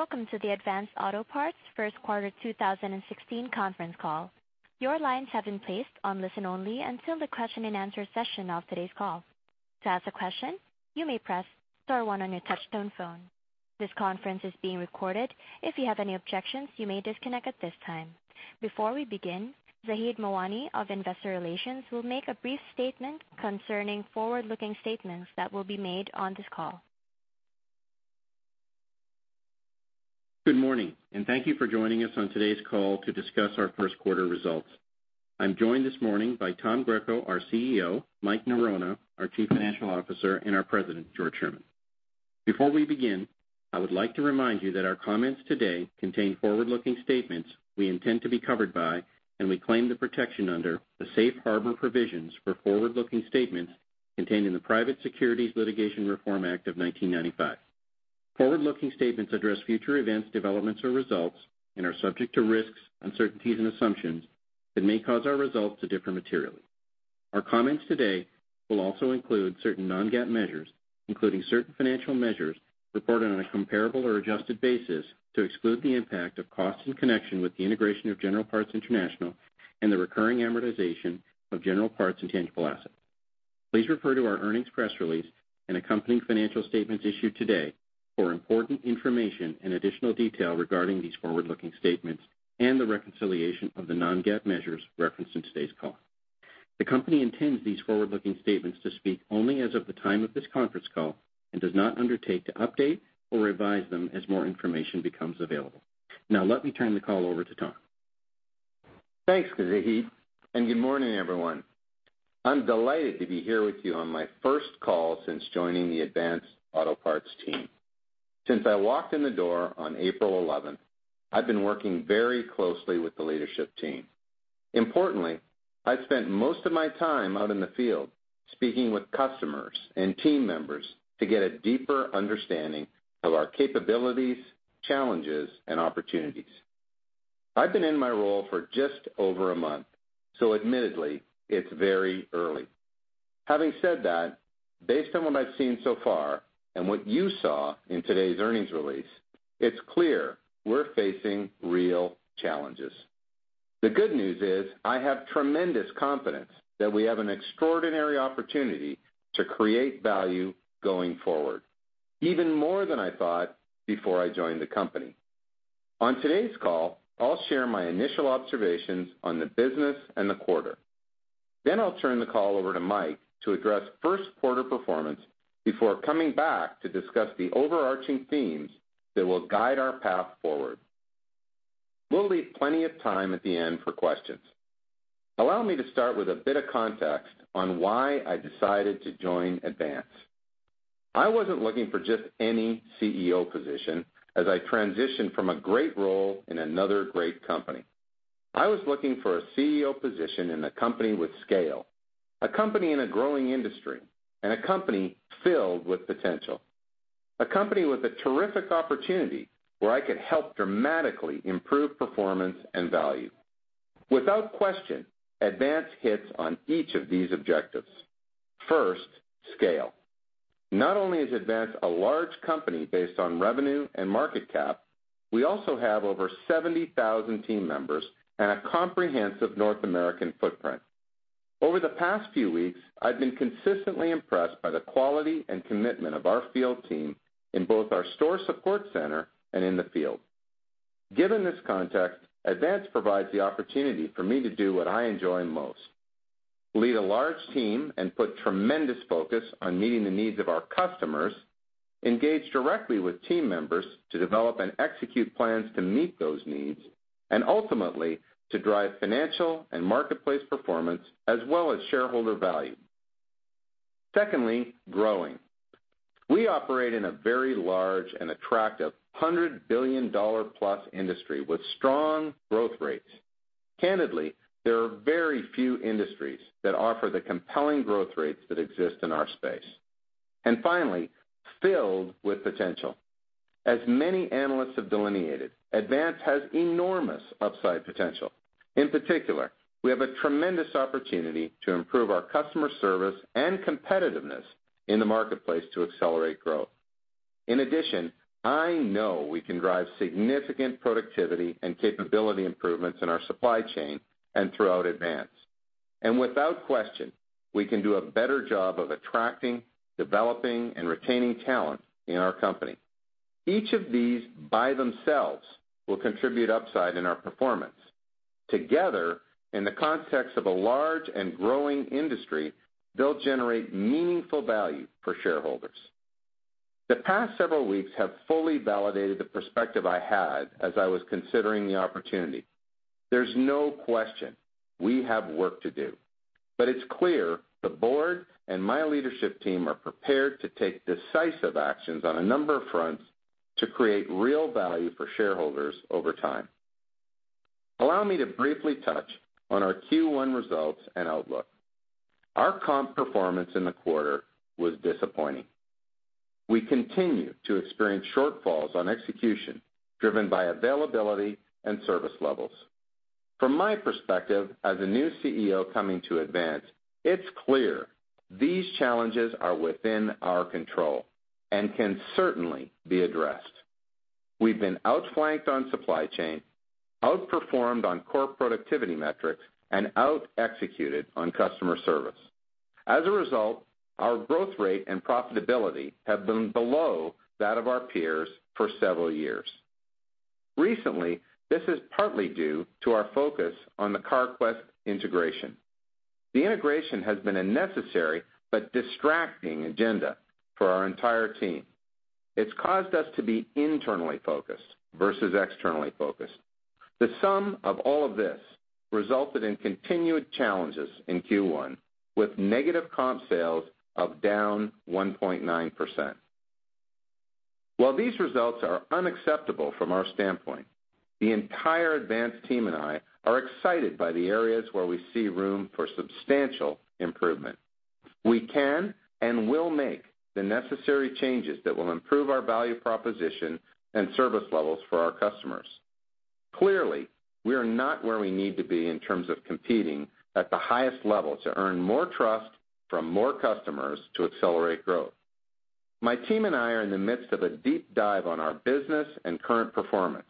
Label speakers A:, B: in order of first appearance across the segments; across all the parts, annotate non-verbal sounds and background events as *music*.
A: Welcome to the Advance Auto Parts first quarter 2016 conference call. Your lines have been placed on listen-only until the question-and-answer session of today's call. To ask a question, you may press star one on your touch-tone phone. This conference is being recorded. If you have any objections, you may disconnect at this time. Before we begin, Zaheed Mawani of Investor Relations will make a brief statement concerning forward-looking statements that will be made on this call.
B: Good morning, and thank you for joining us on today's call to discuss our first quarter results. I'm joined this morning by Tom Greco, our CEO, Mike Norona, our Chief Financial Officer, and our President, George Sherman. Before we begin, I would like to remind you that our comments today contain forward-looking statements we intend to be covered by, and we claim the protection under, the safe harbor provisions for forward-looking statements contained in the Private Securities Litigation Reform Act of 1995. Forward-looking statements address future events, developments, or results and are subject to risks, uncertainties, and assumptions that may cause our results to differ materially. Our comments today will also include certain non-GAAP measures, including certain financial measures reported on a comparable or adjusted basis to exclude the impact of costs in connection with the integration of General Parts International and the recurring amortization of General Parts intangible assets. Please refer to our earnings press release and accompanying financial statements issued today for important information and additional detail regarding these forward-looking statements and the reconciliation of the non-GAAP measures referenced in today's call. The company intends these forward-looking statements to speak only as of the time of this conference call and does not undertake to update or revise them as more information becomes available. Now, let me turn the call over to Tom.
C: Thanks, Zaheed, and good morning, everyone. I'm delighted to be here with you on my first call since joining the Advance Auto Parts team. Since I walked in the door on April 11th, I've been working very closely with the leadership team. Importantly, I've spent most of my time out in the field, speaking with customers and team members to get a deeper understanding of our capabilities, challenges, and opportunities. I've been in my role for just over a month, so admittedly, it's very early. Having said that, based on what I've seen so far and what you saw in today's earnings release, it's clear we're facing real challenges. The good news is I have tremendous confidence that we have an extraordinary opportunity to create value going forward, even more than I thought before I joined the company. On today's call, I'll share my initial observations on the business and the quarter. I'll turn the call over to Mike to address first quarter performance before coming back to discuss the overarching themes that will guide our path forward. We'll leave plenty of time at the end for questions. Allow me to start with a bit of context on why I decided to join Advance. I wasn't looking for just any CEO position as I transitioned from a great role in another great company. I was looking for a CEO position in a company with scale, a company in a growing industry, and a company filled with potential. A company with a terrific opportunity where I could help dramatically improve performance and value. Without question, Advance hits on each of these objectives. First, scale. Not only is Advance a large company based on revenue and market cap, we also have over 70,000 team members and a comprehensive North American footprint. Over the past few weeks, I've been consistently impressed by the quality and commitment of our field team in both our store support center and in the field. Given this context, Advance provides the opportunity for me to do what I enjoy most, lead a large team and put tremendous focus on meeting the needs of our customers, engage directly with team members to develop and execute plans to meet those needs, and ultimately, to drive financial and marketplace performance as well as shareholder value. Secondly, growing. We operate in a very large and attractive $100 billion-plus industry with strong growth rates. Candidly, there are very few industries that offer the compelling growth rates that exist in our space. Finally, filled with potential. As many analysts have delineated, Advance has enormous upside potential. In particular, we have a tremendous opportunity to improve our customer service and competitiveness in the marketplace to accelerate growth. In addition, I know we can drive significant productivity and capability improvements in our supply chain and throughout Advance. Without question, we can do a better job of attracting, developing, and retaining talent in our company. Each of these by themselves will contribute upside in our performance. Together, in the context of a large and growing industry, they'll generate meaningful value for shareholders. The past several weeks have fully validated the perspective I had as I was considering the opportunity. There's no question we have work to do, but it's clear the Board and my leadership team are prepared to take decisive actions on a number of fronts to create real value for shareholders over time. Allow me to briefly touch on our Q1 results and outlook. Our comp performance in the quarter was disappointing. We continue to experience shortfalls on execution driven by availability and service levels. From my perspective as a new CEO coming to Advance, it's clear these challenges are within our control and can certainly be addressed. We've been outflanked on supply chain, outperformed on core productivity metrics, and out-executed on customer service. As a result, our growth rate and profitability have been below that of our peers for several years. Recently, this is partly due to our focus on the Carquest integration. The integration has been a necessary but distracting agenda for our entire team. It's caused us to be internally focused versus externally focused. The sum of all of this resulted in continued challenges in Q1, with negative comp sales of down 1.9%. While these results are unacceptable from our standpoint, the entire Advance team and I are excited by the areas where we see room for substantial improvement. We can and will make the necessary changes that will improve our value proposition and service levels for our customers. Clearly, we are not where we need to be in terms of competing at the highest level to earn more trust from more customers to accelerate growth. My team and I are in the midst of a deep dive on our business and current performance.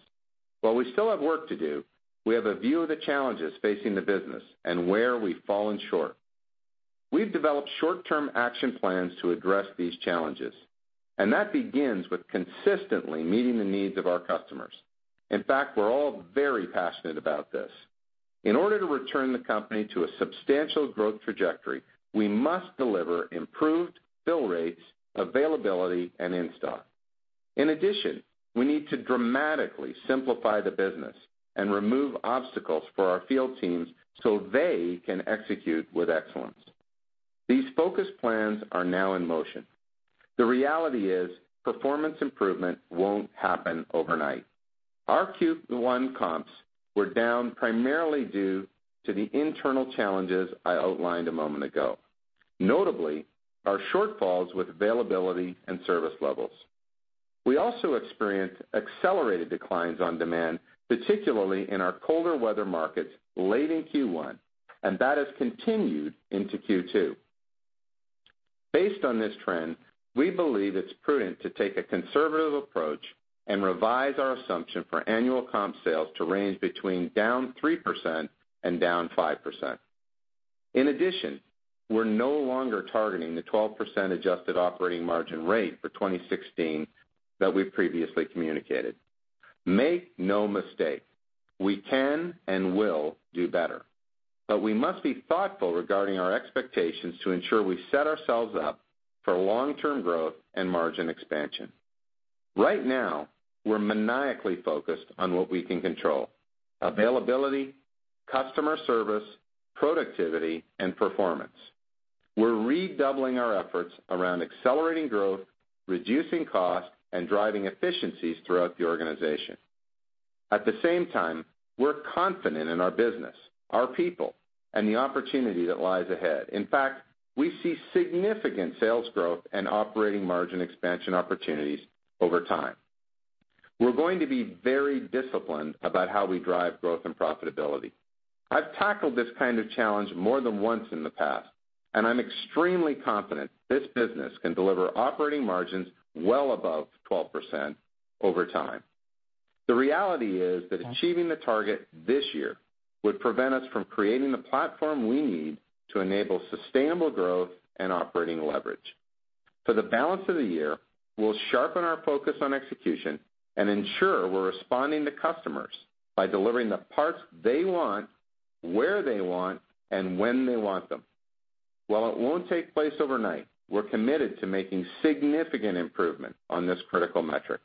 C: While we still have work to do, we have a view of the challenges facing the business and where we've fallen short. We've developed short-term action plans to address these challenges, and that begins with consistently meeting the needs of our customers. In fact, we're all very passionate about this. In order to return the company to a substantial growth trajectory, we must deliver improved fill rates, availability, and in-stock. In addition, we need to dramatically simplify the business and remove obstacles for our field teams so they can execute with excellence. These focus plans are now in motion. The reality is, performance improvement won't happen overnight. Our Q1 comps were down primarily due to the internal challenges I outlined a moment ago, notably our shortfalls with availability and service levels. We also experienced accelerated declines on demand, particularly in our colder weather markets late in Q1, and that has continued into Q2. Based on this trend, we believe it's prudent to take a conservative approach and revise our assumption for annual comp sales to range between down 3% and down 5%. In addition, we're no longer targeting the 12% adjusted operating margin rate for 2016 that we've previously communicated. Make no mistake, we can and will do better, but we must be thoughtful regarding our expectations to ensure we set ourselves up for long-term growth and margin expansion. Right now, we're maniacally focused on what we can control: availability, customer service, productivity, and performance. We're redoubling our efforts around accelerating growth, reducing costs, and driving efficiencies throughout the organization. At the same time, we're confident in our business, our people, and the opportunity that lies ahead. In fact, we see significant sales growth and operating margin expansion opportunities over time. We're going to be very disciplined about how we drive growth and profitability. I've tackled this kind of challenge more than once in the past, and I'm extremely confident this business can deliver operating margins well above 12% over time. The reality is that achieving the target this year would prevent us from creating the platform we need to enable sustainable growth and operating leverage. For the balance of the year, we'll sharpen our focus on execution and ensure we're responding to customers by delivering the parts they want, where they want, and when they want them. While it won't take place overnight, we're committed to making significant improvement on this critical metric.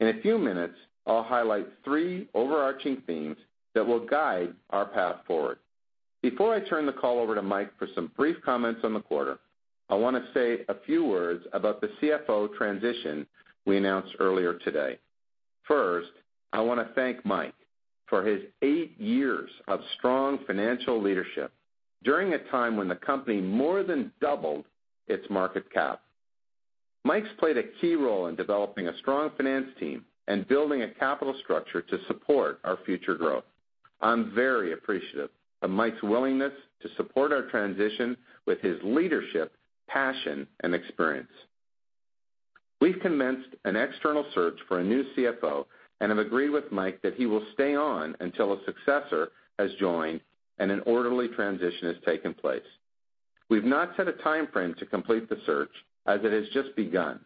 C: In a few minutes, I'll highlight three overarching themes that will guide our path forward. Before I turn the call over to Mike for some brief comments on the quarter, I want to say a few words about the CFO transition we announced earlier today. First, I want to thank Mike for his eight years of strong financial leadership during a time when the company more than doubled its market cap. Mike's played a key role in developing a strong finance team and building a capital structure to support our future growth. I'm very appreciative of Mike's willingness to support our transition with his leadership, passion, and experience. We've commenced an external search for a new CFO and have agreed with Mike that he will stay on until a successor has joined and an orderly transition has taken place. We've not set a timeframe to complete the search as it has just begun,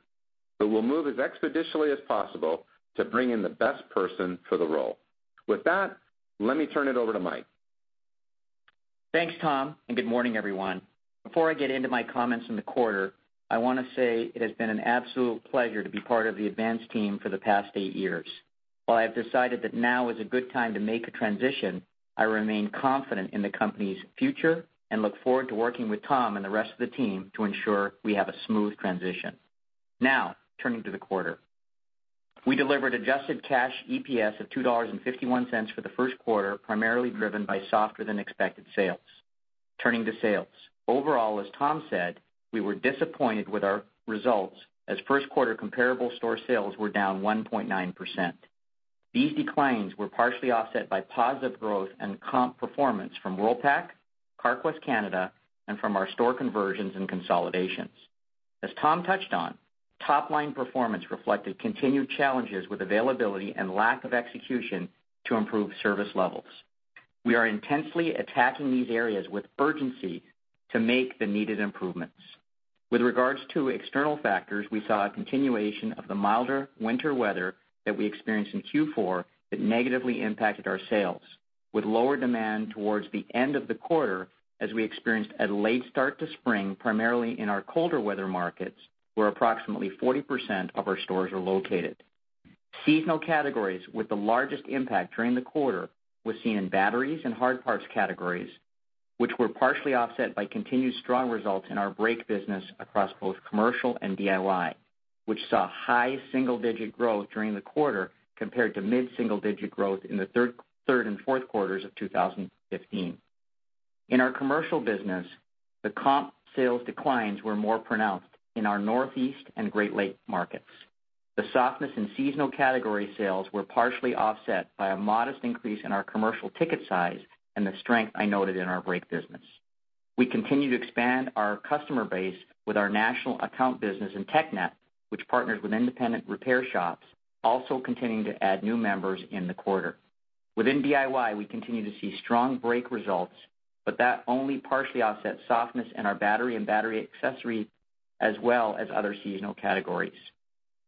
C: but we'll move as expeditiously as possible to bring in the best person for the role. With that, let me turn it over to Mike.
D: Thanks, Tom, and good morning, everyone. Before I get into my comments on the quarter, I want to say it has been an absolute pleasure to be part of the Advance team for the past eight years. While I've decided that now is a good time to make a transition, I remain confident in the company's future and look forward to working with Tom and the rest of the team to ensure we have a smooth transition. Now, turning to the quarter. We delivered adjusted cash EPS of $2.51 for the first quarter, primarily driven by softer-than-expected sales. Turning to sales. Overall, as Tom said, we were disappointed with our results as first quarter comparable store sales were down 1.9%. These declines were partially offset by positive growth and comp performance from Worldpac, Carquest Canada, and from our store conversions and consolidations. As Tom touched on, top-line performance reflected continued challenges with availability and lack of execution to improve service levels. We are intensely attacking these areas with urgency to make the needed improvements. With regards to external factors, we saw a continuation of the milder winter weather that we experienced in Q4 that negatively impacted our sales, with lower demand towards the end of the quarter as we experienced a late start to spring, primarily in our colder weather markets where approximately 40% of our stores are located. Seasonal categories with the largest impact during the quarter was seen in batteries and hard parts categories, which were partially offset by continued strong results in our brake business across both commercial and DIY, which saw high single-digit growth during the quarter compared to mid-single-digit growth in the third and fourth quarters of 2015. In our commercial business, the comp sales declines were more pronounced in our Northeast and Great Lakes markets. The softness in seasonal category sales were partially offset by a modest increase in our commercial ticket size and the strength I noted in our brake business. We continue to expand our customer base with our national account business in TechNet, which partners with independent repair shops, also continuing to add new members in the quarter. Within DIY, we continue to see strong brake results, but that only partially offsets softness in our battery and battery accessory, as well as other seasonal categories.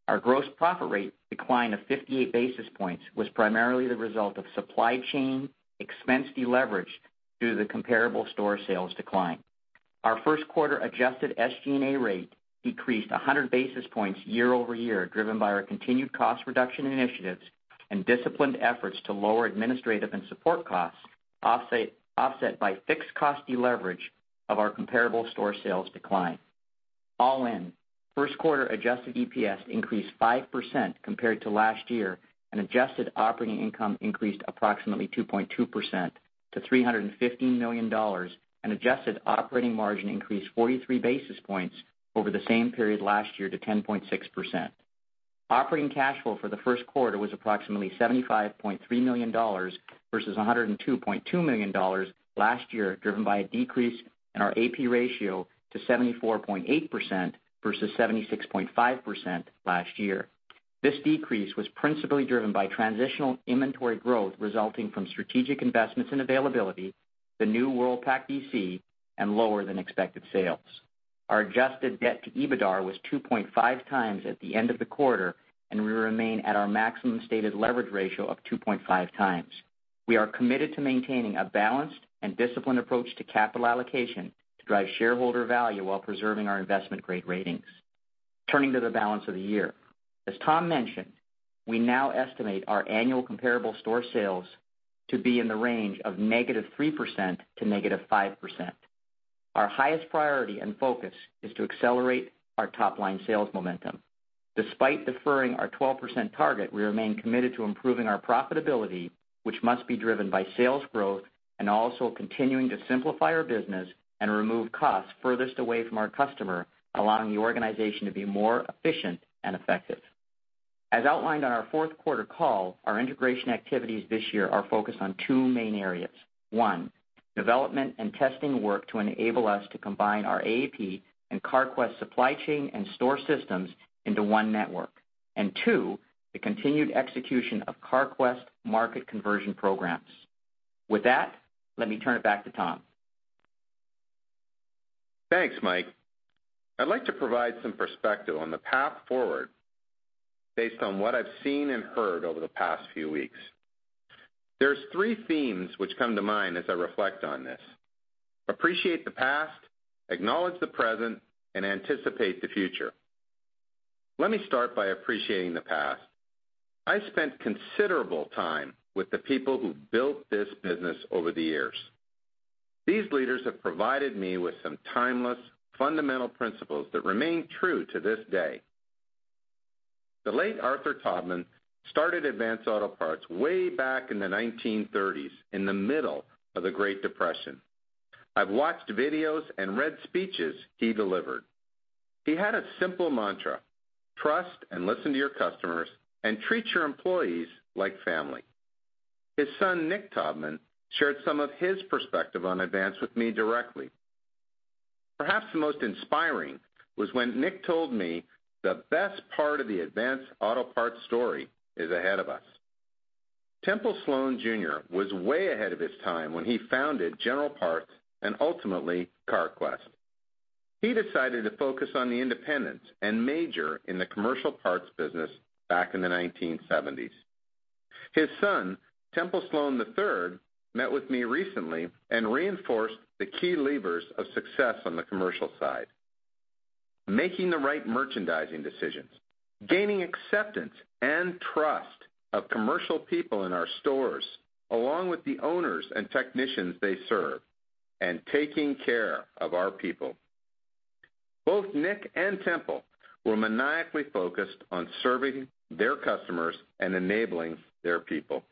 D: Our gross profit rate decline of 58 basis points was primarily the result of supply chain expense deleverage due to the comparable store sales decline. Our first quarter adjusted SGA rate decreased 100 basis points year-over-year, driven by our continued cost reduction initiatives and disciplined efforts to lower administrative and support costs, offset by fixed cost leverage of our comparable store sales decline. All in, first quarter adjusted EPS increased 5% compared to last year, adjusted operating income increased approximately 2.2% to $315 million, adjusted operating margin increased 43 basis points over the same period last year to 10.6%. Operating cash flow for the first quarter was approximately $75.3 million versus $102.2 million last year, driven by a decrease in our AP ratio to 74.8% versus 76.5% last year. This decrease was principally driven by transitional inventory growth resulting from strategic investments in availability, the new Worldpac DC, and lower than expected sales. Our adjusted debt to EBITDAR was 2.5 times at the end of the quarter, we remain at our maximum stated leverage ratio of 2.5 times. We are committed to maintaining a balanced and disciplined approach to capital allocation to drive shareholder value while preserving our investment-grade ratings. Turning to the balance of the year. As Tom mentioned, we now estimate our annual comparable store sales to be in the range of negative 3% to negative 5%. Our highest priority and focus is to accelerate our top-line sales momentum. Despite deferring our 12% target, we remain committed to improving our profitability, which must be driven by sales growth and also continuing to simplify our business and remove costs furthest away from our customer, allowing the organization to be more efficient and effective. As outlined on our fourth quarter call, our integration activities this year are focused on two main areas. One, development and testing work to enable us to combine our AAP and Carquest supply chain and store systems into one network. Two, the continued execution of Carquest market conversion programs. With that, let me turn it back to Tom.
C: Thanks, Mike. I'd like to provide some perspective on the path forward based on what I've seen and heard over the past few weeks. There's three themes which come to mind as I reflect on this. Appreciate the past, acknowledge the present, and anticipate the future. Let me start by appreciating the past. I spent considerable time with the people who built this business over the years. These leaders have provided me with some timeless, fundamental principles that remain true to this day. The late Arthur Taubman started Advance Auto Parts way back in the 1930s, in the middle of the Great Depression. I've watched videos and read speeches he delivered. He had a simple mantra: trust and listen to your customers and treat your employees like family. His son, Nick Taubman, shared some of his perspective on Advance with me directly. Perhaps the most inspiring was when Nick told me the best part of the Advance Auto Parts story is ahead of us. Temple Sloan Jr. was way ahead of his time when he founded General Parts and ultimately Carquest. He decided to focus on the independents and major in the commercial parts business back in the 1970s. His son, Temple Sloan III, met with me recently and reinforced the key levers of success on the commercial side. Making the right merchandising decisions, gaining acceptance and trust of commercial people in our stores, along with the owners and technicians they serve, taking care of our people. Both Nick and Temple were maniacally focused on serving their customers and enabling their people.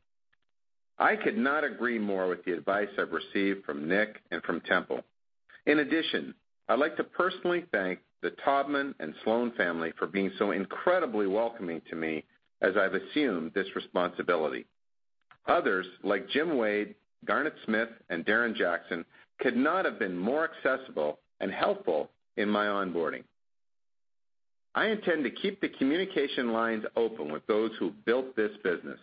C: I could not agree more with the advice I've received from Nick and from Temple. I'd like to personally thank the Taubman and Sloan family for being so incredibly welcoming to me as I've assumed this responsibility. Others, like Jim Wade, Garnett Smith, and Darren Jackson, could not have been more accessible and helpful in my onboarding. I intend to keep the communication lines open with those who built this business.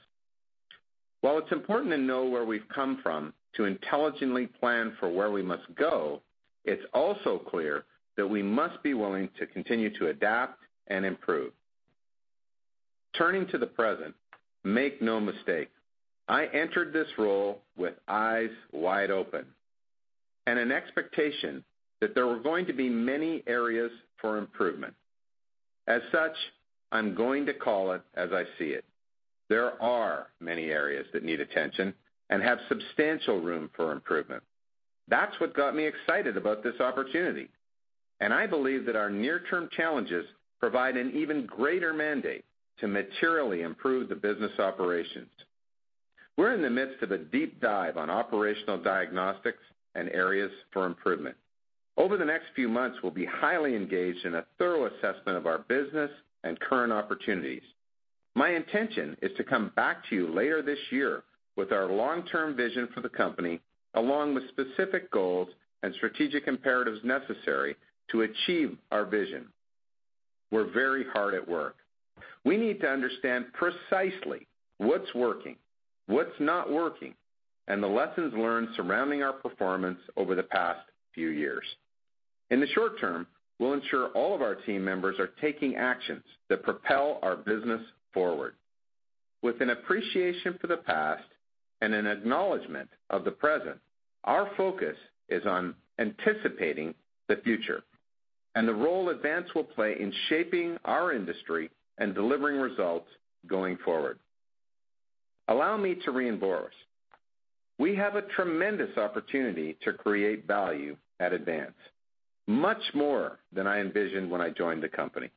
C: While it's important to know where we've come from to intelligently plan for where we must go, it's also clear that we must be willing to continue to adapt and improve. Turning to the present, make no mistake, I entered this role with eyes wide open and an expectation that there were going to be many areas for improvement. As such, I'm going to call it as I see it. There are many areas that need attention and have substantial room for improvement. That's what got me excited about this opportunity. I believe that our near-term challenges provide an even greater mandate to materially improve the business operations. We're in the midst of a deep dive on operational diagnostics and areas for improvement. Over the next few months, we'll be highly engaged in a thorough assessment of our business and current opportunities. My intention is to come back to you later this year with our long-term vision for the company, along with specific goals and strategic imperatives necessary to achieve our vision. We're very hard at work. We need to understand precisely what's working, what's not working, the lessons learned surrounding our performance over the past few years. In the short term, we'll ensure all of our team members are taking actions that propel our business forward. With an appreciation for the past and an acknowledgment of the present, our focus is on anticipating the future and the role Advance will play in shaping our industry and delivering results going forward. Allow me to reinforce. We have a tremendous opportunity to create value at Advance, much more than I envisioned when I joined the company.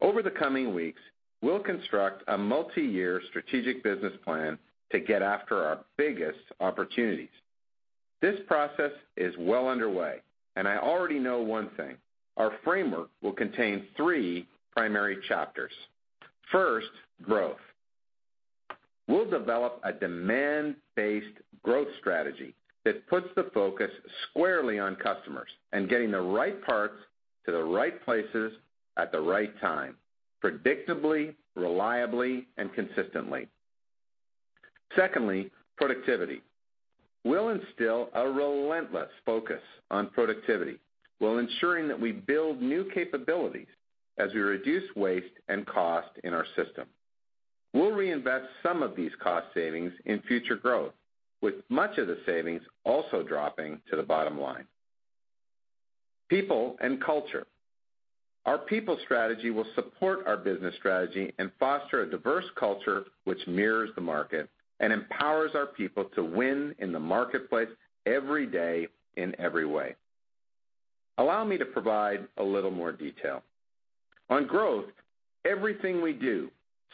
C: Over the coming weeks, we'll construct a multi-year strategic business plan to get after our biggest opportunities. This process is well underway. I already know one thing: Our framework will contain three primary chapters. First, growth. We'll develop a demand-based growth strategy that puts the focus squarely on customers and getting the right parts to the right places at the right time, predictably, reliably, and consistently. Secondly, productivity. We'll instill a relentless focus on productivity while ensuring that we build new capabilities as we reduce waste and cost in our system. We'll reinvest some of these cost savings in future growth, with much of the savings also dropping to the bottom line. People and culture. Our people strategy will support our business strategy and foster a diverse culture which mirrors the market and empowers our people to win in the marketplace every day in every way. Allow me to provide a little more detail. On growth, everything we do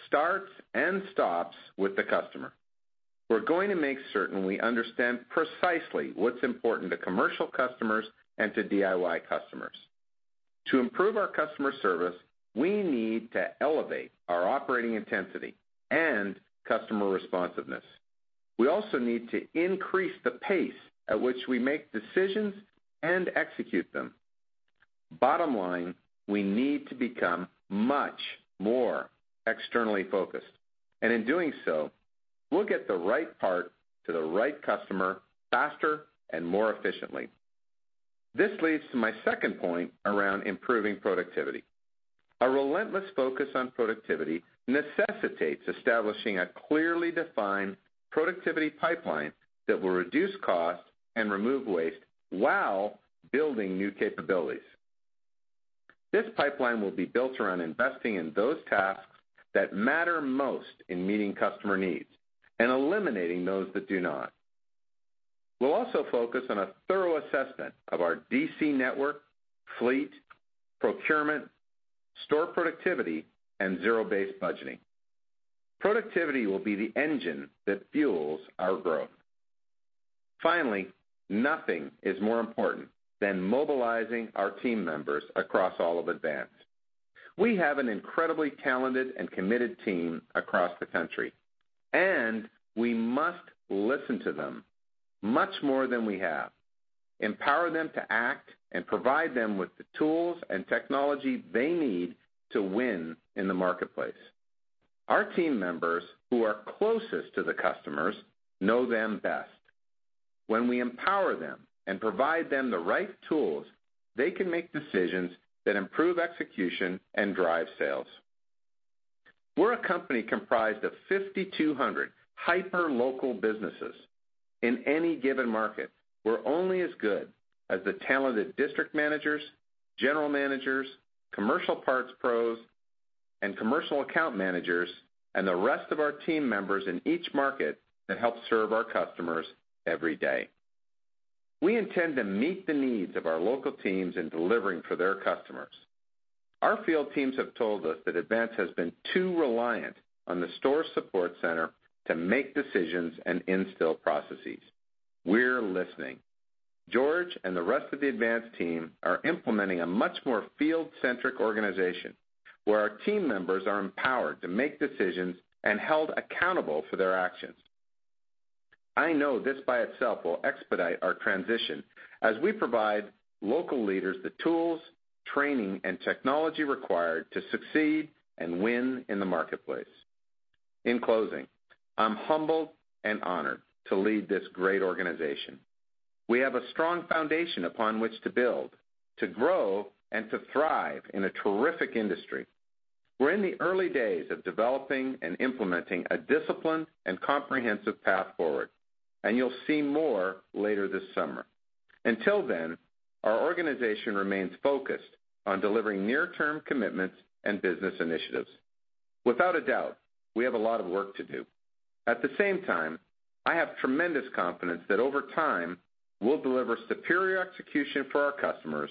C: starts and stops with the customer. We're going to make certain we understand precisely what's important to commercial customers and to DIY customers. To improve our customer service, we need to elevate our operating intensity and customer responsiveness. We also need to increase the pace at which we make decisions and execute them. Bottom line, we need to become much more externally focused, and in doing so, we'll get the right part to the right customer faster and more efficiently. This leads to my second point around improving productivity. A relentless focus on productivity necessitates establishing a clearly defined productivity pipeline that will reduce costs and remove waste while building new capabilities. This pipeline will be built around investing in those tasks that matter most in meeting customer needs and eliminating those that do not. We'll also focus on a thorough assessment of our DC network, fleet, procurement, store productivity, and zero-based budgeting. Productivity will be the engine that fuels our growth. Finally, nothing is more important than mobilizing our team members across all of Advance. We have an incredibly talented and committed team across the country, and we must listen to them much more than we have, empower them to act, and provide them with the tools and technology they need to win in the marketplace. Our team members who are closest to the customers know them best. When we empower them and provide them the right tools, they can make decisions that improve execution and drive sales. We're a company comprised of 5,200 hyper-local businesses. In any given market, we're only as good as the talented district managers, general managers, commercial parts pros And commercial account managers and the rest of our team members in each market that help serve our customers every day. We intend to meet the needs of our local teams in delivering for their customers. Our field teams have told us that Advance has been too reliant on the store support center to make decisions and instill processes. We're listening. George and the rest of the Advance team are implementing a much more field-centric organization, where our team members are empowered to make decisions and held accountable for their actions. I know this by itself will expedite our transition as we provide local leaders the tools, training, and technology required to succeed and win in the marketplace. In closing, I'm humbled and honored to lead this great organization. We have a strong foundation upon which to build, to grow, and to thrive in a terrific industry. We're in the early days of developing and implementing a disciplined and comprehensive path forward. You'll see more later this summer. Until then, our organization remains focused on delivering near-term commitments and business initiatives. Without a doubt, we have a lot of work to do. At the same time, I have tremendous confidence that over time, we'll deliver superior execution for our customers,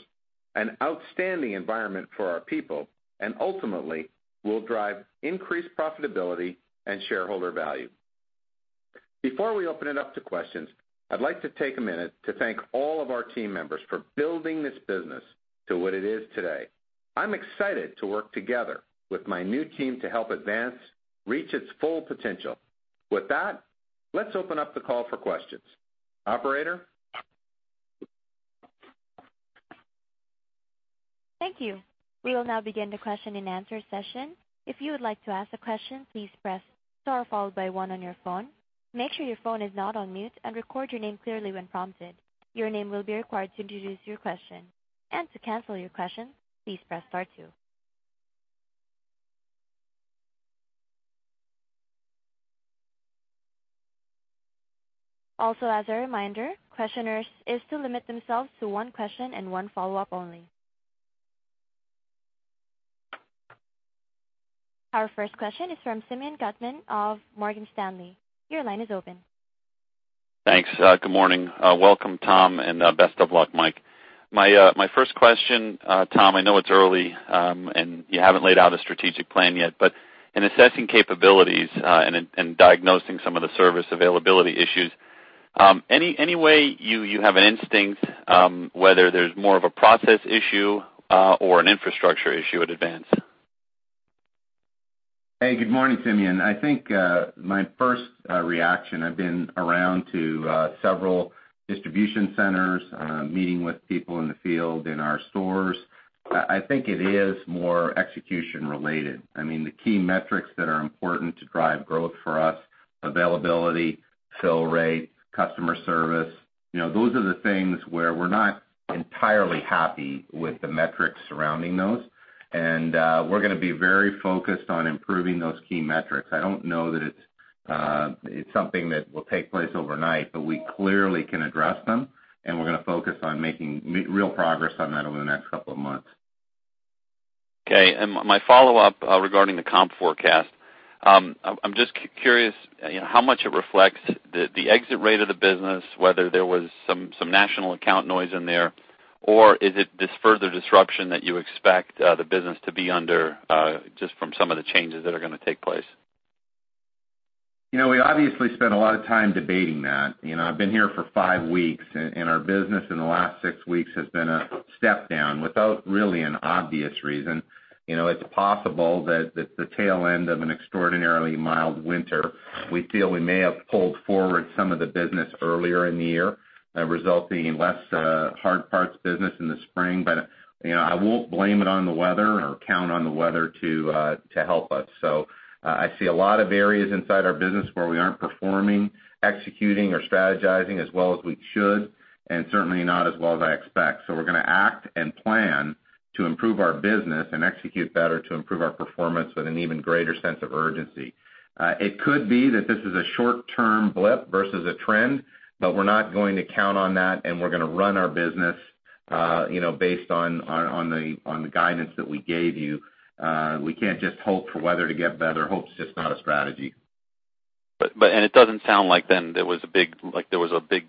C: an outstanding environment for our people, and ultimately, we'll drive increased profitability and shareholder value. Before we open it up to questions, I'd like to take a minute to thank all of our team members for building this business to what it is today. I'm excited to work together with my new team to help Advance reach its full potential. With that, let's open up the call for questions. Operator?
A: Thank you. We will now begin the question and answer session. If you would like to ask a question, please press star followed by one on your phone. Make sure your phone is not on mute, and record your name clearly when prompted. Your name will be required to introduce your question. To cancel your question, please press star two. As a reminder, questioners is to limit themselves to one question and one follow-up only. Our first question is from Simeon Gutman of Morgan Stanley. Your line is open.
E: Thanks. Good morning. Welcome, Tom, and best of luck, Mike. My first question, Tom, I know it's early, and you haven't laid out a strategic plan yet. In assessing capabilities and diagnosing some of the service availability issues, any way you have an instinct whether there's more of a process issue or an infrastructure issue at Advance?
C: Hey, good morning, Simeon. I think my first reaction, I've been around to several distribution centers, meeting with people in the field, in our stores. I think it is more execution-related. The key metrics that are important to drive growth for us, availability, fill rate, customer service, those are the things where we're not entirely happy with the metrics surrounding those. We're going to be very focused on improving those key metrics. I don't know that it's something that will take place overnight, but we clearly can address them, and we're going to focus on making real progress on that over the next couple of months.
E: Okay. My follow-up regarding the comp forecast. I'm just curious how much it reflects the exit rate of the business, whether there was some national account noise in there, or is it this further disruption that you expect the business to be under, just from some of the changes that are going to take place?
C: We obviously spent a lot of time debating that. I've been here for five weeks, our business in the last six weeks has been a step down without really an obvious reason. It's possible that the tail end of an extraordinarily mild winter, we feel we may have pulled forward some of the business earlier in the year, resulting in less hard parts business in the spring. I won't blame it on the weather or count on the weather to help us. I see a lot of areas inside our business where we aren't performing, executing, or strategizing as well as we should, and certainly not as well as I expect. We're going to act and plan to improve our business and execute better to improve our performance with an even greater sense of urgency. It could be that this is a short-term blip versus a trend, we're not going to count on that, and we're going to run our business based on the guidance that we gave you. We can't just hope for weather to get better. Hope's just not a strategy.
E: It doesn't sound like then there was a big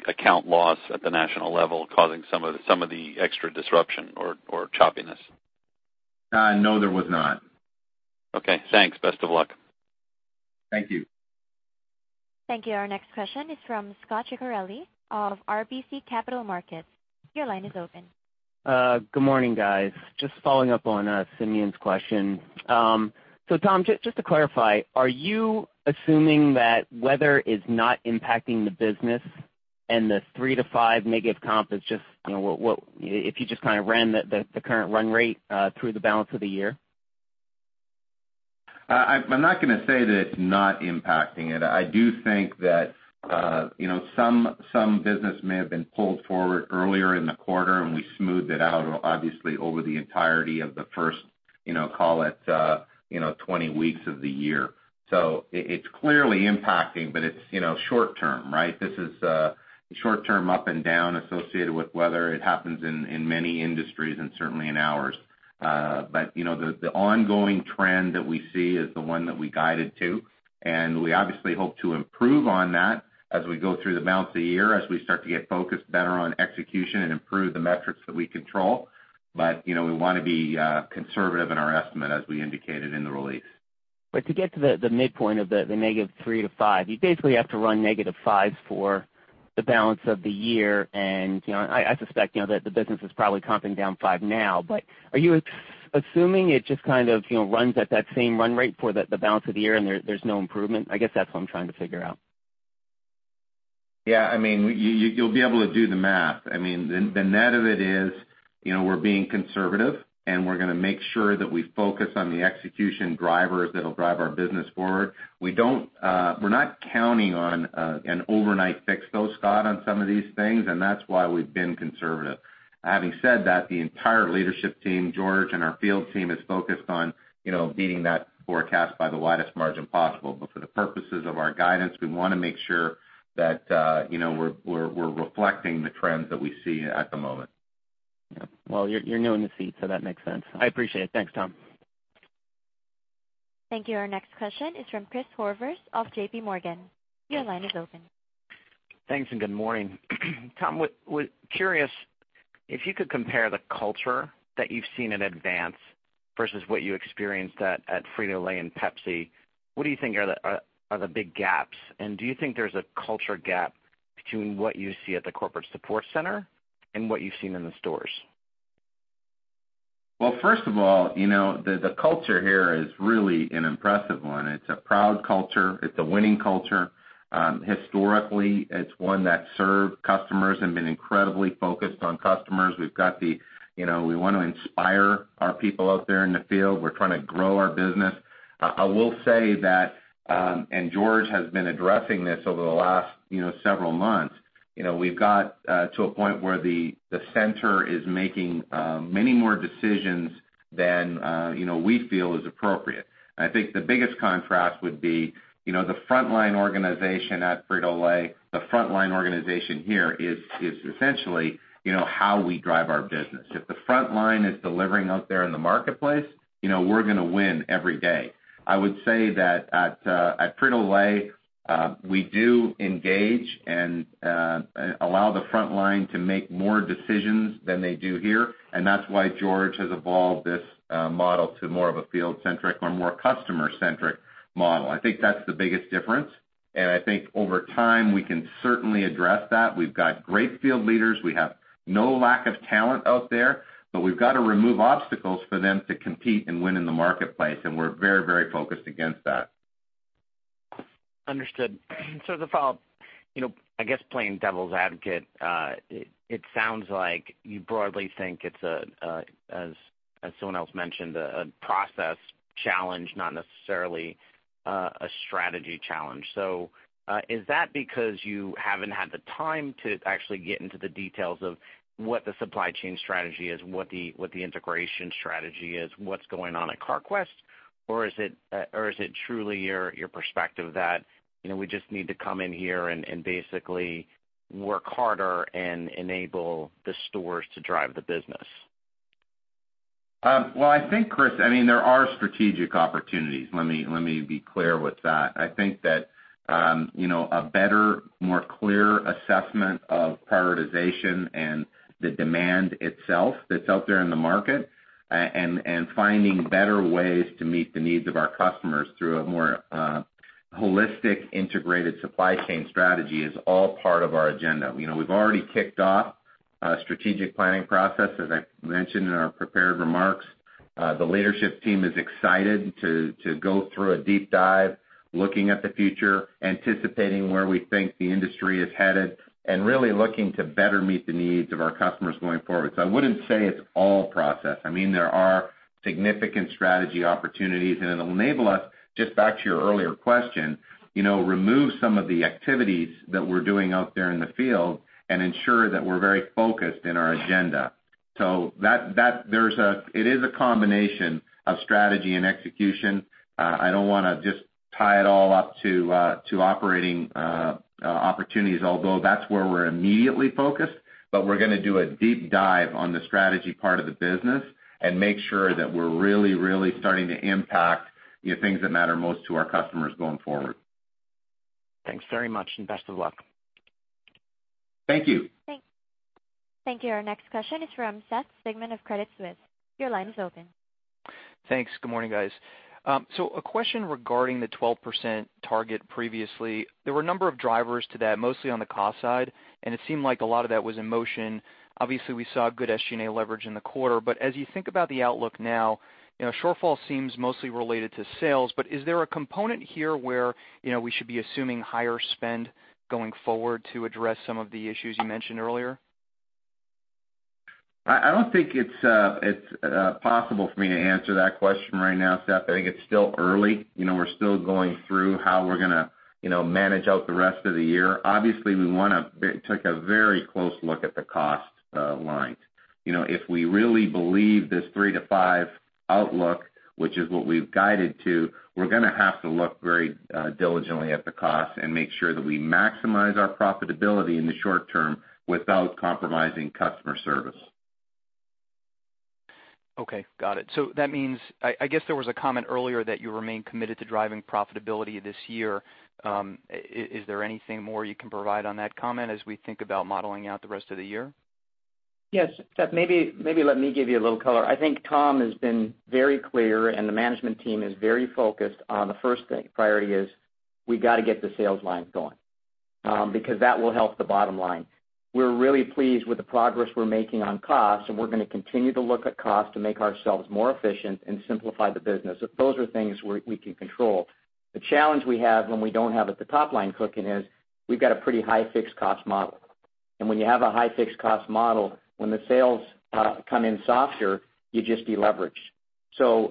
E: account loss at the national level causing some of the extra disruption or choppiness.
C: No, there was not.
E: Okay, thanks. Best of luck.
C: Thank you.
A: Thank you. Our next question is from Scot Ciccarelli of RBC Capital Markets. Your line is open.
F: Good morning, guys. Just following up on Simeon's question. Tom, just to clarify, are you assuming that weather is not impacting the business and the three to five mega comp is just if you just kind of ran the current run rate through the balance of the year?
C: I'm not going to say that it's not impacting it. I do think that some business may have been pulled forward earlier in the quarter, and we smoothed it out, obviously, over the entirety of the first Call it 20 weeks of the year. It's clearly impacting, but it's short term. This is a short term up and down associated with weather. It happens in many industries and certainly in ours. The ongoing trend that we see is the one that we guided to, and we obviously hope to improve on that as we go through the balance of the year, as we start to get focused better on execution and improve the metrics that we control. We want to be conservative in our estimate, as we indicated in the release.
F: To get to the midpoint of the -3% to -5%, you basically have to run -5% for the balance of the year. I suspect that the business is probably comping down -5% now, are you assuming it just runs at that same run rate for the balance of the year and there's no improvement? I guess that's what I'm trying to figure out.
C: Yeah, you'll be able to do the math. The net of it is, we're being conservative, and we're going to make sure that we focus on the execution drivers that'll drive our business forward. We're not counting on an overnight fix, though, Scot, on some of these things, and that's why we've been conservative. Having said that, the entire leadership team, George, and our field team is focused on beating that forecast by the widest margin possible. For the purposes of our guidance, we want to make sure that we're reflecting the trends that we see at the moment.
F: Yeah. Well, you're new in the seat, so that makes sense. I appreciate it. Thanks, Tom.
A: Thank you. Our next question is from Christopher Horvers of JPMorgan. Your line is open.
G: Thanks and good morning. Tom, was curious if you could compare the culture that you've seen at Advance versus what you experienced at Frito-Lay and PepsiCo. What do you think are the big gaps? Do you think there's a culture gap between what you see at the corporate support center and what you've seen in the stores?
C: Well, first of all, the culture here is really an impressive one. It's a proud culture. It's a winning culture. Historically, it's one that served customers and been incredibly focused on customers. We want to inspire our people out there in the field. We're trying to grow our business. I will say that, and George has been addressing this over the last several months, we've got to a point where the center is making many more decisions than we feel is appropriate. I think the biggest contrast would be the frontline organization at Frito-Lay, the frontline organization here is essentially how we drive our business. If the frontline is delivering out there in the marketplace, we're going to win every day. I would say that at Frito-Lay, we do engage and allow the frontline to make more decisions than they do here, and that's why George has evolved this model to more of a field centric or more customer centric model. I think that's the biggest difference. I think over time, we can certainly address that. We've got great field leaders. We have no lack of talent out there, but we've got to remove obstacles for them to compete and win in the marketplace, and we're very focused against that.
G: Understood. As a follow-up, I guess playing devil's advocate, it sounds like you broadly think it's, as someone else mentioned, a process challenge, not necessarily a strategy challenge. Is that because you haven't had the time to actually get into the details of what the supply chain strategy is, what the integration strategy is, what's going on at Carquest? Or is it truly your perspective that we just need to come in here and basically work harder and enable the stores to drive the business?
C: Well, I think, Chris, there are strategic opportunities. Let me be clear with that. I think that a better, more clear assessment of prioritization and the demand itself that's out there in the market, and finding better ways to meet the needs of our customers through a more holistic, integrated supply chain strategy is all part of our agenda. We've already kicked off a strategic planning process, as I mentioned in our prepared remarks. The leadership team is excited to go through a deep dive, looking at the future, anticipating where we think the industry is headed, and really looking to better meet the needs of our customers going forward. I wouldn't say it's all process. There are significant strategy opportunities, and it'll enable us, just back to your earlier question, remove some of the activities that we're doing out there in the field and ensure that we're very focused in our agenda. It is a combination of strategy and execution. I don't want to just tie it all up to operating opportunities, although that's where we're immediately focused. We're going to do a deep dive on the strategy part of the business and make sure that we're really starting to impact the things that matter most to our customers going forward.
G: Thanks very much, and best of luck.
C: Thank you.
A: Thank you. Our next question is from Seth Sigman of Credit Suisse. Your line is open.
H: Thanks. Good morning, guys. A question regarding the 12% target previously. There were a number of drivers to that, mostly on the cost side, and it seemed like a lot of that was in motion. Obviously, we saw good SG&A leverage in the quarter, but as you think about the outlook now, shortfall seems mostly related to sales, but is there a component here where we should be assuming higher spend going forward to address some of the issues you mentioned earlier?
C: I don't think it's possible for me to answer that question right now, Seth. I think it's still early. We're still going through how we're going to manage out the rest of the year. Obviously, we took a very close look at the cost lines. If we really believe this three to five outlook, which is what we've guided to, we're going to have to look very diligently at the cost and make sure that we maximize our profitability in the short term without compromising customer service.
H: Okay. Got it. I guess there was a comment earlier that you remain committed to driving profitability this year. Is there anything more you can provide on that comment as we think about modeling out the rest of the year?
D: Yes, Seth, maybe let me give you a little color. I think Tom has been very clear and the management team is very focused on the first priority is, we got to get the sales line going, because that will help the bottom line. We're really pleased with the progress we're making on costs, and we're going to continue to look at costs to make ourselves more efficient and simplify the business. Those are things we can control. The challenge we have when we don't have the top line clicking is, we've got a pretty high fixed cost model. When you have a high fixed cost model, when the sales come in softer, you just deleverage.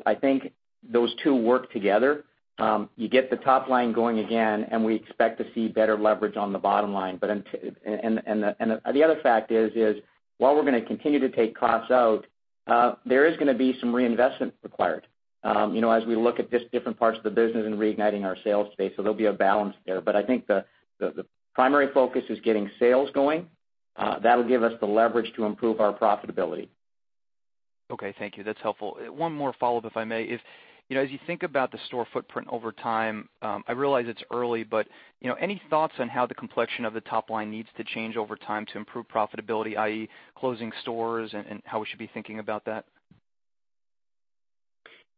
D: I think those two work together. You get the top line going again, and we expect to see better leverage on the bottom line. The other fact is, while we're going to continue to take costs out, there is going to be some reinvestment required as we look at just different parts of the business and reigniting our sales space. There'll be a balance there. I think the primary focus is getting sales going. That'll give us the leverage to improve our profitability.
H: Okay. Thank you. That's helpful. One more follow-up, if I may, is as you think about the store footprint over time, I realize it's early, but any thoughts on how the complexion of the top line needs to change over time to improve profitability, i.e., closing stores, and how we should be thinking about that?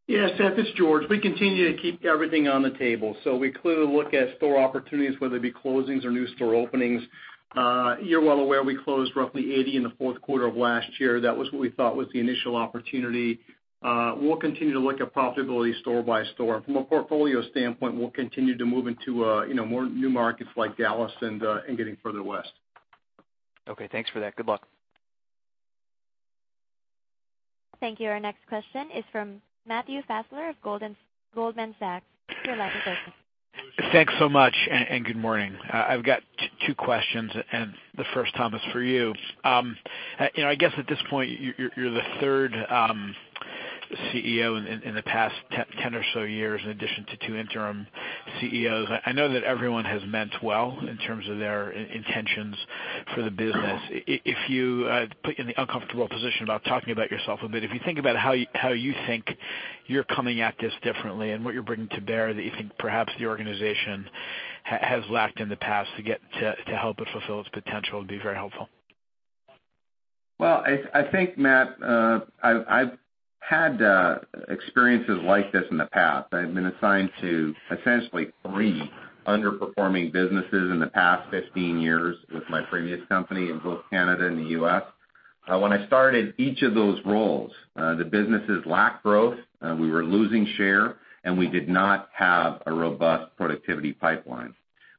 I: Yeah, Seth, it's George. We continue to keep everything on the table. We clearly look at store opportunities, whether it be closings or new store openings. You're well aware we closed roughly 80 in the fourth quarter of last year. That was what we thought was the initial opportunity. We'll continue to look at profitability store by store. From a portfolio standpoint, we'll continue to move into more new markets like Dallas and getting further west.
H: Okay. Thanks for that. Good luck.
A: Thank you. Our next question is from Matthew Fassler of Goldman Sachs. Your line is open.
J: Thanks so much. Good morning. I've got two questions. The first, Tom, is for you. I guess at this point, you're the third CEO in the past 10 or so years, in addition to two interim CEOs. I know that everyone has meant well in terms of their intentions for the business. Put you in the uncomfortable position about talking about yourself a bit, if you think about how you think you're coming at this differently and what you're bringing to bear that you think perhaps the organization has lacked in the past to help it fulfill its potential would be very helpful.
C: Well, I think, Matt, I've had experiences like this in the past. I've been assigned to essentially three underperforming businesses in the past 15 years with my previous company in both Canada and the U.S. When I started each of those roles, the businesses lacked growth, we were losing share, and we did not have a robust productivity pipeline.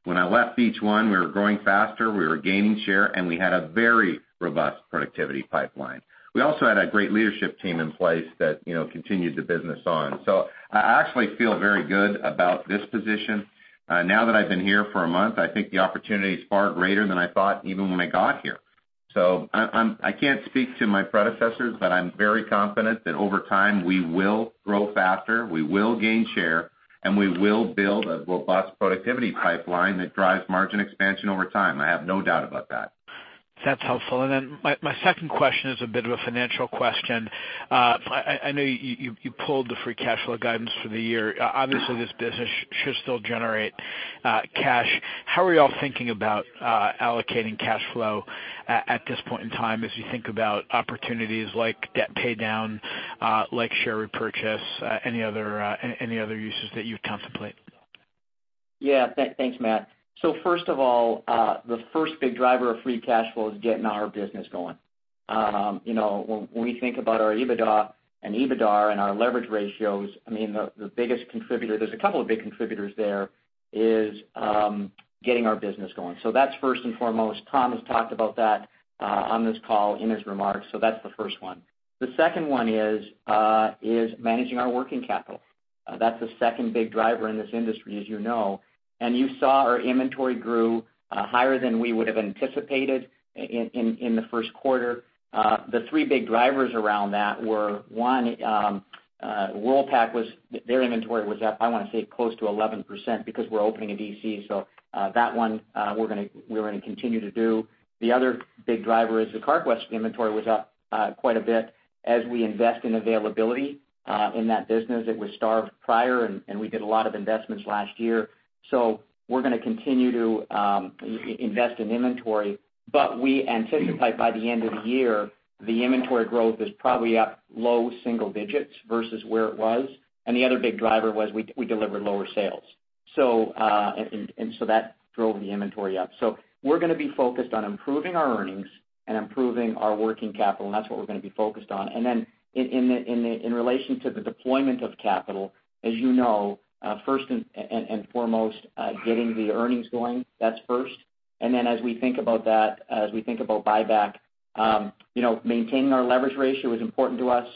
C: When I left each one, we were growing faster, we were gaining share, and we had a very robust productivity pipeline. We also had a great leadership team in place that continued the business on. I actually feel very good about this position. Now that I've been here for a month, I think the opportunity is far greater than I thought even when I got here. I can't speak to my predecessors, but I'm very confident that over time we will grow faster, we will gain share, and we will build a robust productivity pipeline that drives margin expansion over time. I have no doubt about that.
J: That's helpful. My second question is a bit of a financial question. I know you pulled the free cash flow guidance for the year. Obviously, this business should still generate cash. How are you all thinking about allocating cash flow at this point in time as you think about opportunities like debt paydown, like share repurchase, any other uses that you contemplate?
D: Thanks, Matt. First of all, the first big driver of free cash flow is getting our business going. When we think about our EBITDA and EBITDAR and our leverage ratios, there's a couple of big contributors there, is getting our business going. That's first and foremost. Tom has talked about that on this call in his remarks, that's the first one. The second one is managing our working capital. That's the second big driver in this industry, as you know. You saw our inventory grew higher than we would have anticipated in the first quarter. The three big drivers around that were, one, Worldpac, their inventory was up, I want to say, close to 11% because we're opening a DC. That one, we're going to continue to do. The other big driver is the Carquest inventory was up quite a bit as we invest in availability in that business. It was starved prior, and we did a lot of investments last year. We're going to continue to invest in inventory. We anticipate by the end of the year, the inventory growth is probably up low single digits versus where it was. The other big driver was we delivered lower sales, that drove the inventory up. We're going to be focused on improving our earnings and improving our working capital, and that's what we're going to be focused on. In relation to the deployment of capital, as you know, first and foremost, getting the earnings going, that's first. As we think about that, as we think about buyback, maintaining our leverage ratio is important to us.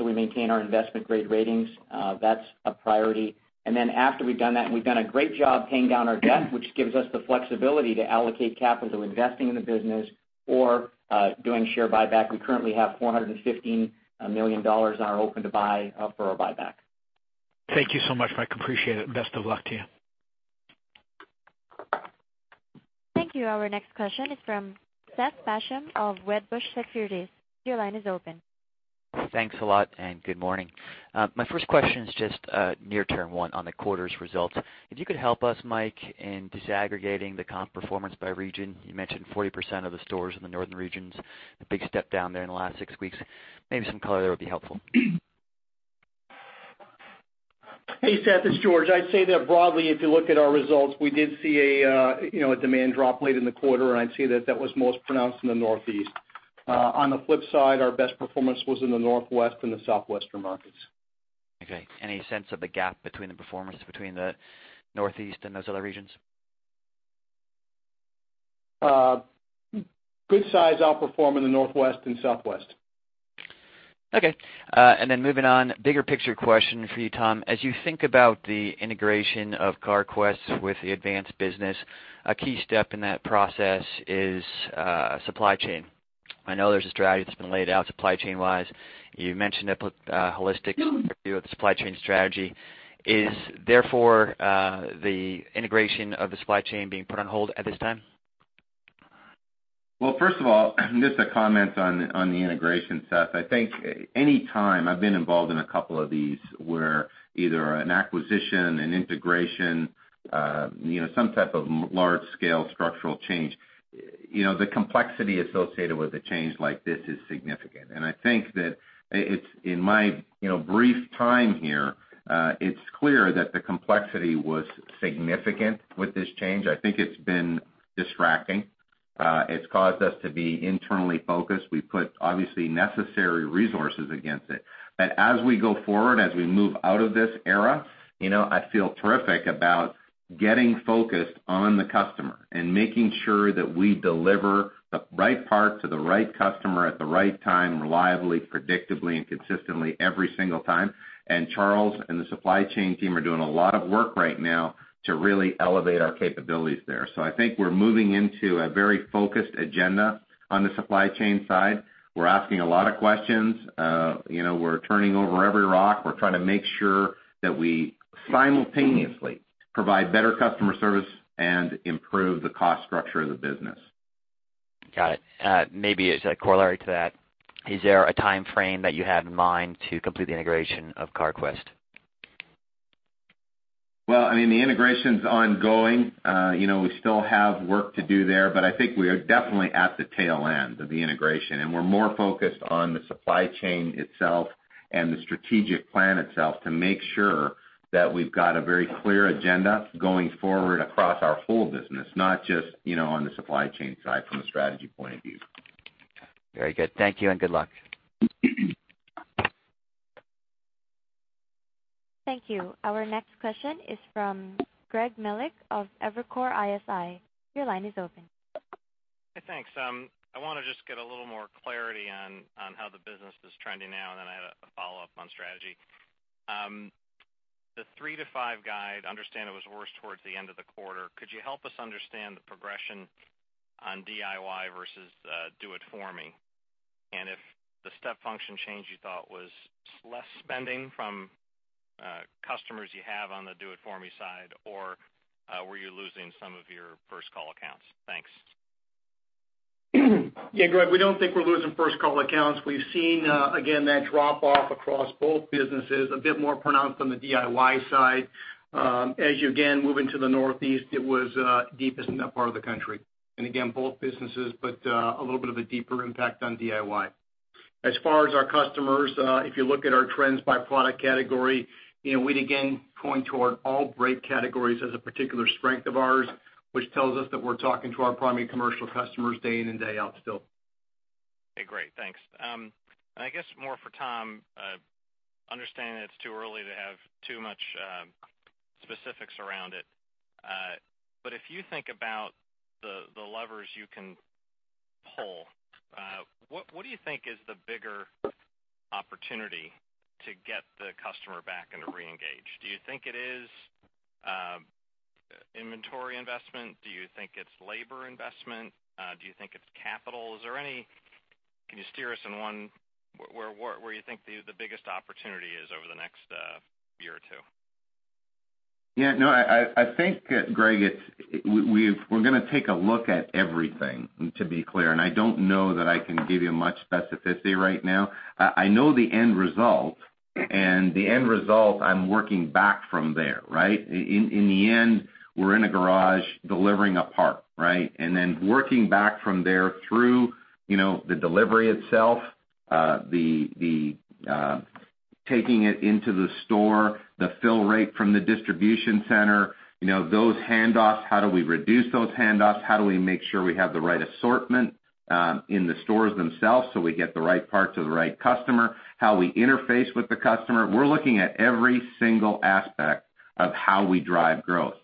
D: We maintain our investment-grade ratings. That's a priority. After we've done that, and we've done a great job paying down our debt, which gives us the flexibility to allocate capital to investing in the business or doing share buyback. We currently have $415 million are open to buy for our buyback.
J: Thank you so much, Mike. Appreciate it. Best of luck to you.
A: Thank you. Our next question is from Seth Basham of Wedbush Securities. Your line is open.
K: Thanks a lot, and good morning. My first question is just a near-term one on the quarter's results. If you could help us, Mike, in disaggregating the comp performance by region. You mentioned 40% of the stores in the northern regions, a big step down there in the last six weeks. Maybe some color there would be helpful.
I: Hey, Seth, it's George. I'd say that broadly, if you look at our results, we did see a demand drop late in the quarter, and I'd say that that was most pronounced in the Northeast. On the flip side, our best performance was in the Northwest and the Southwestern markets.
K: Okay, any sense of the gap between the performance between the Northeast and those other regions?
I: Good size outperform in the Northwest and Southwest.
K: Then moving on, bigger picture question for you, Tom. As you think about the integration of Carquest with the Advance business, a key step in that process is supply chain. I know there's a strategy that's been laid out supply chain-wise. You mentioned a holistic view of the supply chain strategy. Is therefore the integration of the supply chain being put on hold at this time?
C: Well, first of all, just to comment on the integration, Seth. I think any time I've been involved in a couple of these where either an acquisition, an integration, some type of large-scale structural change, the complexity associated with a change like this is significant. I think that in my brief time here, it's clear that the complexity was significant with this change. I think it's been distracting. It's caused us to be internally focused. We put obviously necessary resources against it. As we go forward, as we move out of this era, I feel terrific about getting focused on the customer and making sure that we deliver the right part to the right customer at the right time, reliably, predictably, and consistently every single time. Charles and the supply chain team are doing a lot of work right now to really elevate our capabilities there. I think we're moving into a very focused agenda on the supply chain side. We're asking a lot of questions. We're turning over every rock. We're trying to make sure that we simultaneously provide better customer service and improve the cost structure of the business.
K: Got it. Maybe as a corollary to that, is there a timeframe that you have in mind to complete the integration of Carquest?
C: Well, the integration's ongoing. We still have work to do there, but I think we are definitely at the tail end of the integration, and we're more focused on the supply chain itself and the strategic plan itself to make sure that we've got a very clear agenda going forward across our whole business, not just on the supply chain side from a strategy point of view.
K: Very good. Thank you and good luck.
A: Thank you. Our next question is from Greg Melich of Evercore ISI. Your line is open.
L: Hey, thanks. I want to just get a little more clarity on how the business is trending now. Then I had a follow-up on strategy. The 3-5 guide, I understand it was worse towards the end of the quarter. Could you help us understand the progression on DIY versus do it for me? If the step function change you thought was less spending from customers you have on the do it for me side, or were you losing some of your first-call accounts? Thanks.
I: Yeah, Greg, we don't think we're losing first-call accounts. We've seen, again, that drop off across both businesses, a bit more pronounced on the DIY side. As you, again, move into the Northeast, it was deepest in that part of the country. Again, both businesses, but a little bit of a deeper impact on DIY. As far as our customers, if you look at our trends by product category, we'd again point toward all brake categories as a particular strength of ours, which tells us that we're talking to our primary commercial customers day in and day out still.
L: Okay, great. Thanks. I guess more for Tom, understanding that it's too early to have too much specifics around it. If you think about the levers you can pull, what do you think is the bigger opportunity to get the customer back and to reengage? Do you think it is inventory investment? Do you think it's labor investment? Do you think it's capital? Can you steer us in one where you think the biggest opportunity is over the next year or two?
C: Yeah. I think, Greg, we're going to take a look at everything, to be clear. I don't know that I can give you much specificity right now. I know the end result. The end result, I'm working back from there, right? In the end, we're in a garage delivering a part, right? Then working back from there through the delivery itself, the taking it into the store, the fill rate from the distribution center, those handoffs, how do we reduce those handoffs? How do we make sure we have the right assortment in the stores themselves so we get the right part to the right customer? How we interface with the customer. We're looking at every single aspect of how we drive growth.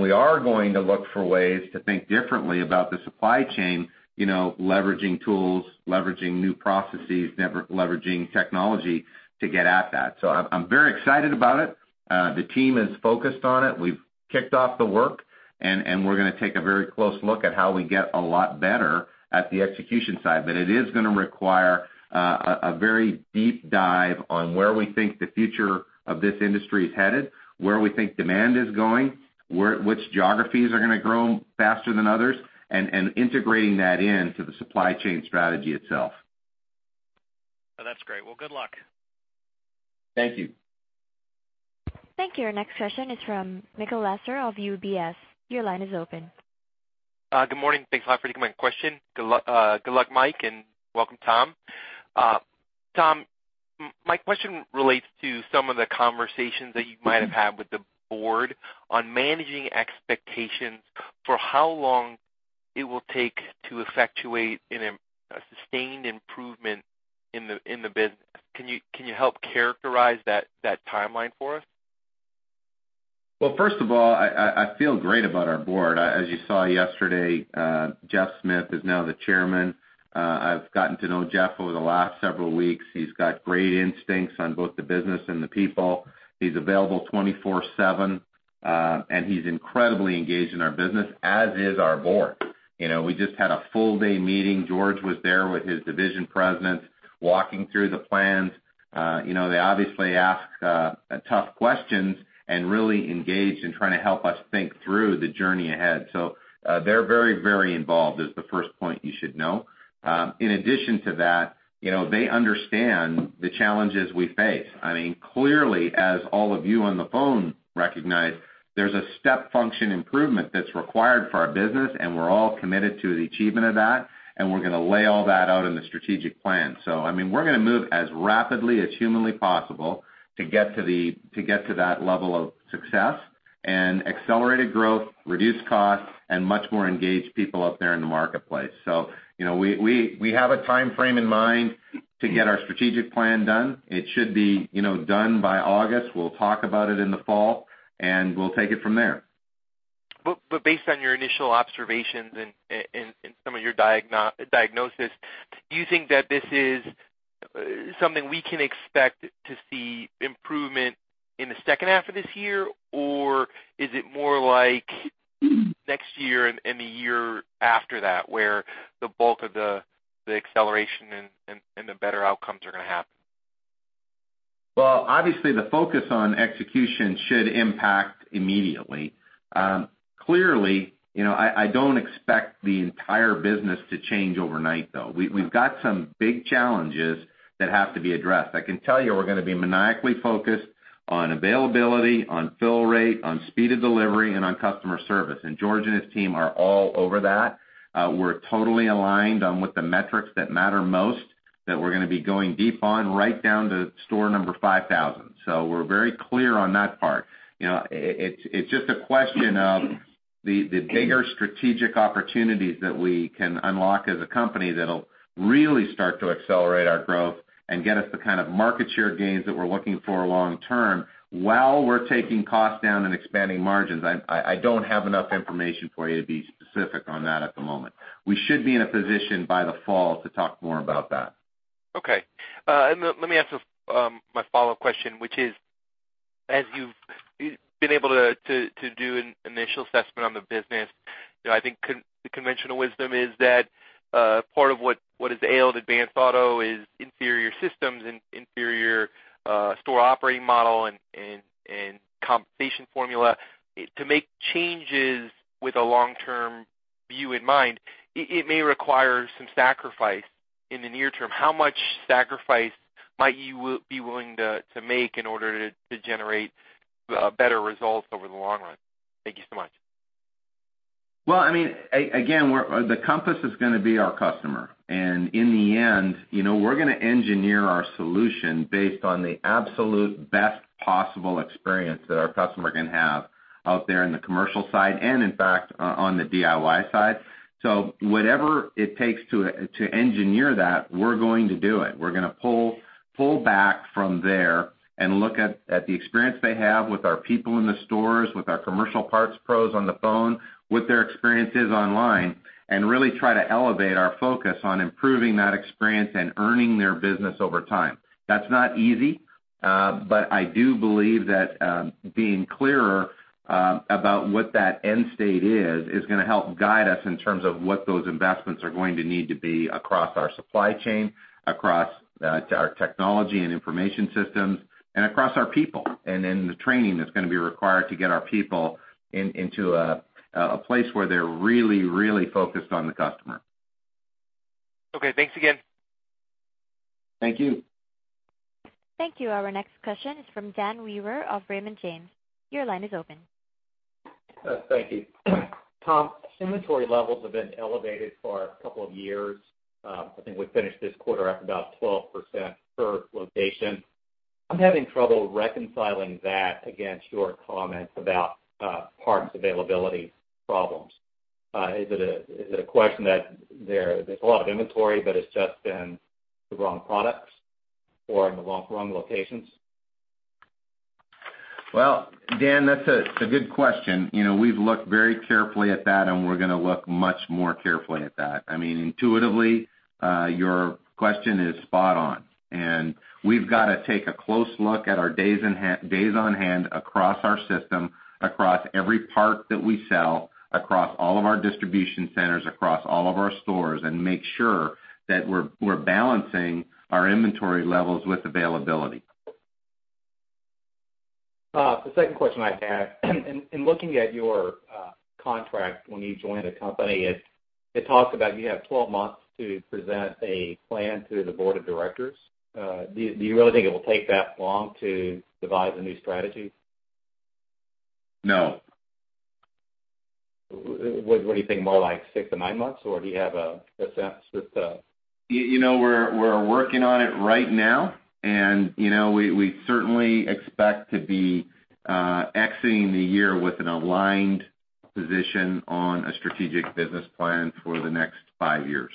C: We are going to look for ways to think differently about the supply chain, leveraging tools, leveraging new processes, leveraging technology to get at that. I'm very excited about it. The team is focused on it. We've kicked off the work, and we're going to take a very close look at how we get a lot better at the execution side. It is going to require a very deep dive on where we think the future of this industry is headed, where we think demand is going, which geographies are going to grow faster than others, and integrating that into the supply chain strategy itself.
L: That's great. Well, good luck.
C: Thank you.
A: Thank you. Our next question is from Michael Lasser of UBS. Your line is open.
M: Good morning. Thanks a lot for taking my question. Good luck, Mike Norona, and welcome, Tom Greco. Tom Greco, my question relates to some of the conversations that you might have had with the board on managing expectations for how long it will take to effectuate a sustained improvement in the business. Can you help characterize that timeline for us?
C: Well, first of all, I feel great about our board. As you saw yesterday, Jeffrey Smith is now the chairman. I've gotten to know Jeff Smith over the last several weeks. He's got great instincts on both the business and the people. He's available 24 seven, and he's incredibly engaged in our business, as is our board. We just had a full day meeting. George Sherman was there with his division presidents, walking through the plans. They obviously ask tough questions and really engage in trying to help us think through the journey ahead. They're very involved, is the first point you should know. In addition to that, they understand the challenges we face. Clearly, as all of you on the phone recognize, there's a step function improvement that's required for our business. We're all committed to the achievement of that. We're going to lay all that out in the strategic plan. We're going to move as rapidly as humanly possible to get to that level of success and accelerated growth, reduced costs, and much more engaged people out there in the marketplace. We have a timeframe in mind to get our strategic plan done. It should be done by August. We'll talk about it in the fall. We'll take it from there.
M: Based on your initial observations and some of your diagnosis, do you think that this is something we can expect to see improvement in the second half of this year? Is it more like next year and the year after that, where the bulk of the acceleration and the better outcomes are going to happen?
C: Well, obviously, the focus on execution should impact immediately. Clearly, I don't expect the entire business to change overnight, though. We've got some big challenges that have to be addressed. I can tell you we're going to be maniacally focused on availability, on fill rate, on speed of delivery, and on customer service. George and his team are all over that. We're totally aligned on what the metrics that matter most, that we're going to be going deep on, right down to store number 5,000. We're very clear on that part. It's just a question of the bigger strategic opportunities that we can unlock as a company that'll really start to accelerate our growth and get us the kind of market share gains that we're looking for long term while we're taking costs down and expanding margins. I don't have enough information for you to be specific on that at the moment. We should be in a position by the fall to talk more about that.
M: Okay. Let me ask my follow-up question, which is, as you've been able to do an initial assessment on the business, I think the conventional wisdom is that part of what has ailed Advance Auto is inferior systems and inferior store operating model and compensation formula. To make changes with a long-term view in mind, it may require some sacrifice in the near term. How much sacrifice might you be willing to make in order to generate better results over the long run? Thank you so much.
C: Well, again, the compass is going to be our customer. In the end, we're going to engineer our solution based on the absolute best possible experience that our customer can have out there in the commercial side and, in fact, on the DIY side. Whatever it takes to engineer that, we're going to do it. We're going to pull back from there and look at the experience they have with our people in the stores, with our commercial parts pros on the phone, what their experience is online, and really try to elevate our focus on improving that experience and earning their business over time. That's not easy, but I do believe that being clearer about what that end state is going to help guide us in terms of what those investments are going to need to be across our supply chain, across our technology and information systems, and across our people, and in the training that's going to be required to get our people into a place where they're really focused on the customer.
M: Okay, thanks again.
C: Thank you.
A: Thank you. Our next question is from Daniel Weber of Raymond James. Your line is open.
N: Thank you. Tom, inventory levels have been elevated for a couple of years. I think we finished this quarter up about 12% per location. I'm having trouble reconciling that against your comments about parts availability problems. Is it a question that there's a lot of inventory, but it's just been the wrong products? Or in the wrong locations?
C: Well, Dan, that's a good question. We've looked very carefully at that. We're going to look much more carefully at that. Intuitively, your question is spot on. We've got to take a close look at our days on hand across our system, across every part that we sell, across all of our distribution centers, across all of our stores, and make sure that we're balancing our inventory levels with availability.
N: The second question I had. In looking at your contract when you joined the company, it talks about you have 12 months to present a plan to the board of directors. Do you really think it will take that long to devise a new strategy?
C: No.
N: What do you think, more like six to nine months? Do you have a sense that?
C: We're working on it right now, we certainly expect to be exiting the year with an aligned position on a strategic business plan for the next five years.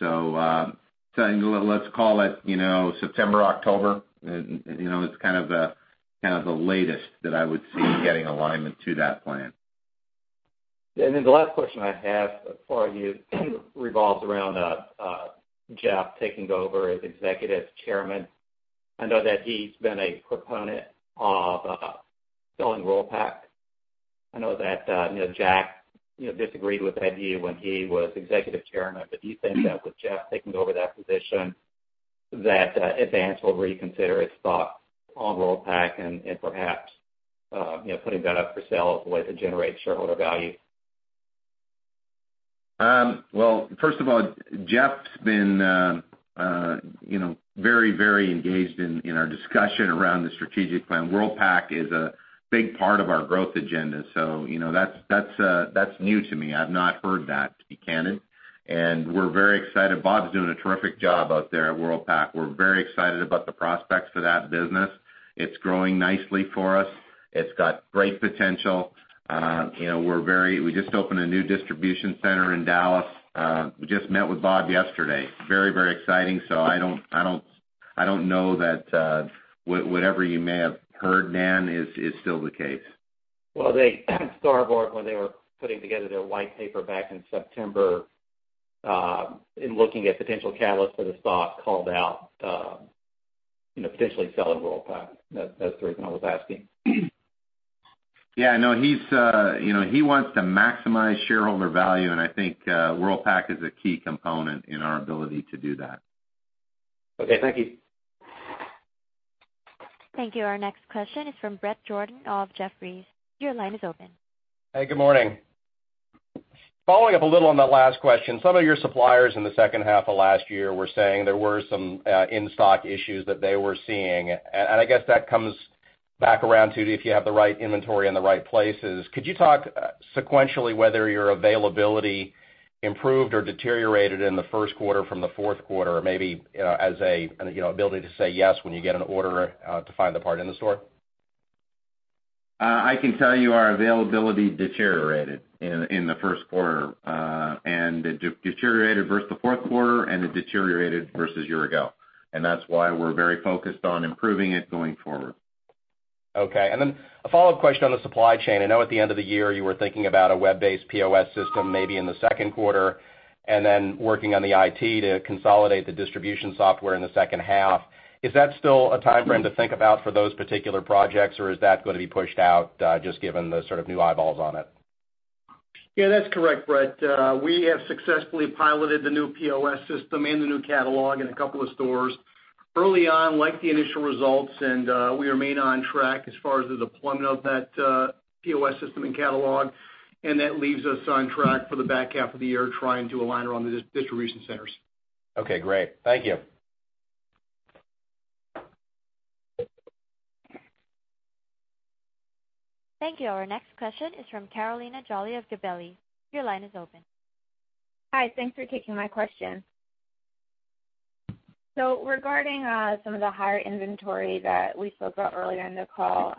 C: Let's call it September, October. It's kind of the latest that I would see getting alignment to that plan.
N: The last question I have for you revolves around Jeff taking over as Executive Chairman. I know that he's been a proponent of selling Worldpac. I know that Jack disagreed with that view when he was Executive Chairman. Do you think that with Jeff taking over that position, that Advance will reconsider its thought on Worldpac and perhaps putting that up for sale as a way to generate shareholder value?
C: Well, first of all, Jeff's been very engaged in our discussion around the strategic plan. Worldpac is a big part of our growth agenda, that's new to me. I've not heard that. *inaudible* We're very excited. Bob's doing a terrific job out there at Worldpac. We're very excited about the prospects for that business. It's growing nicely for us. It's got great potential. We just opened a new distribution center in Dallas. We just met with Bob yesterday. Very exciting. I don't know that whatever you may have heard, Dan, is still the case.
N: Well, Starboard, when they were putting together their white paper back in September, in looking at potential catalysts for the stock, called out potentially selling Worldpac. That's the reason I was asking.
C: Yeah, I know. He wants to maximize shareholder value. I think Worldpac is a key component in our ability to do that.
N: Okay. Thank you.
A: Thank you. Our next question is from Bret Jordan of Jefferies. Your line is open.
O: Hey, good morning. Following up a little on that last question, some of your suppliers in the second half of last year were saying there were some in-stock issues that they were seeing. I guess that comes back around to if you have the right inventory in the right places. Could you talk sequentially whether your availability improved or deteriorated in the first quarter from the fourth quarter, or maybe as an ability to say yes when you get an order to find the part in the store?
C: I can tell you our availability deteriorated in the first quarter. It deteriorated versus the fourth quarter, it deteriorated versus year ago. That's why we're very focused on improving it going forward.
O: Okay. Then a follow-up question on the supply chain. I know at the end of the year, you were thinking about a web-based POS system maybe in the second quarter, then working on the IT to consolidate the distribution software in the second half. Is that still a timeframe to think about for those particular projects, or is that going to be pushed out just given the sort of new eyeballs on it?
I: Yeah, that's correct, Bret. We have successfully piloted the new POS system and the new catalog in a couple of stores. Early on, liked the initial results, we remain on track as far as the deployment of that POS system and catalog. That leaves us on track for the back half of the year, trying to align around the distribution centers.
O: Okay, great. Thank you.
A: Thank you. Our next question is from Carolina Jolly of Gabelli. Your line is open.
P: Hi. Thanks for taking my question. Regarding some of the higher inventory that we spoke about earlier in the call.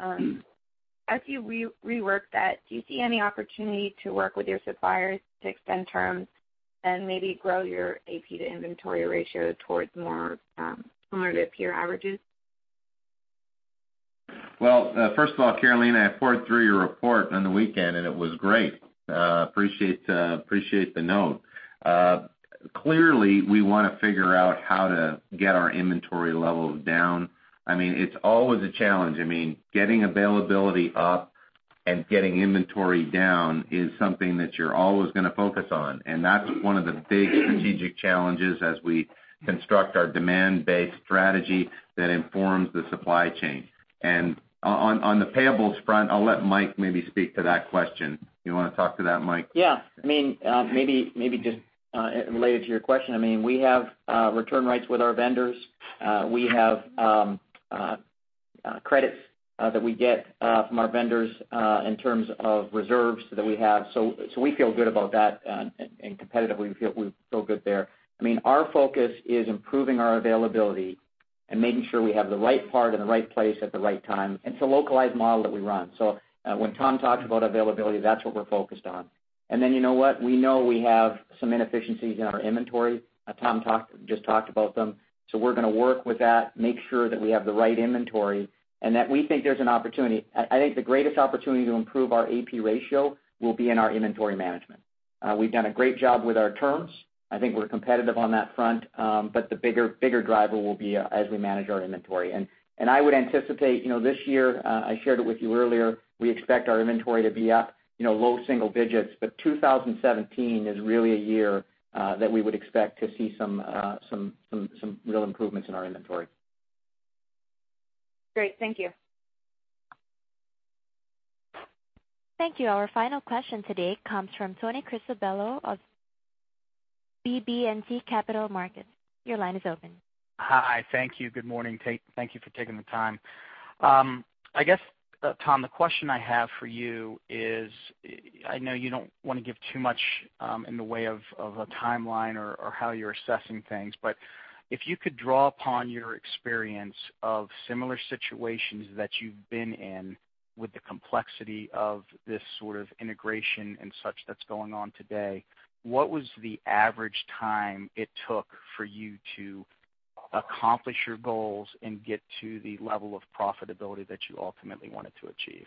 P: As you rework that, do you see any opportunity to work with your suppliers to extend terms and maybe grow your AP to inventory ratio towards more similar to peer averages?
C: First of all, Carolina, I pored through your report on the weekend, and it was great. Appreciate the note. Clearly, we want to figure out how to get our inventory levels down. It's always a challenge. Getting availability up and getting inventory down is something that you're always going to focus on. That's one of the big strategic challenges as we construct our demand-based strategy that informs the supply chain. On the payables front, I'll let Mike maybe speak to that question. You want to talk to that, Mike?
D: Yeah. Maybe just related to your question. We have return rights with our vendors. We have credits that we get from our vendors in terms of reserves that we have. We feel good about that, and competitively, we feel good there. Our focus is improving our availability making sure we have the right part in the right place at the right time. It's a localized model that we run. When Tom talks about availability, that's what we're focused on. Then you know what? We know we have some inefficiencies in our inventory. Tom just talked about them. We're going to work with that, make sure that we have the right inventory, and that we think there's an opportunity. I think the greatest opportunity to improve our AP ratio will be in our inventory management. We've done a great job with our terms. I think we're competitive on that front. The bigger driver will be as we manage our inventory. I would anticipate this year, I shared it with you earlier, we expect our inventory to be up low single digits, but 2017 is really a year that we would expect to see some real improvements in our inventory.
P: Great. Thank you.
A: Thank you. Our final question today comes from Anthony Cristello of BB&T Capital Markets. Your line is open.
Q: Hi. Thank you. Good morning. Thank you for taking the time. I guess, Tom, the question I have for you is, I know you don't want to give too much in the way of a timeline or how you're assessing things, but if you could draw upon your experience of similar situations that you've been in with the complexity of this sort of integration and such that's going on today, what was the average time it took for you to accomplish your goals and get to the level of profitability that you ultimately wanted to achieve?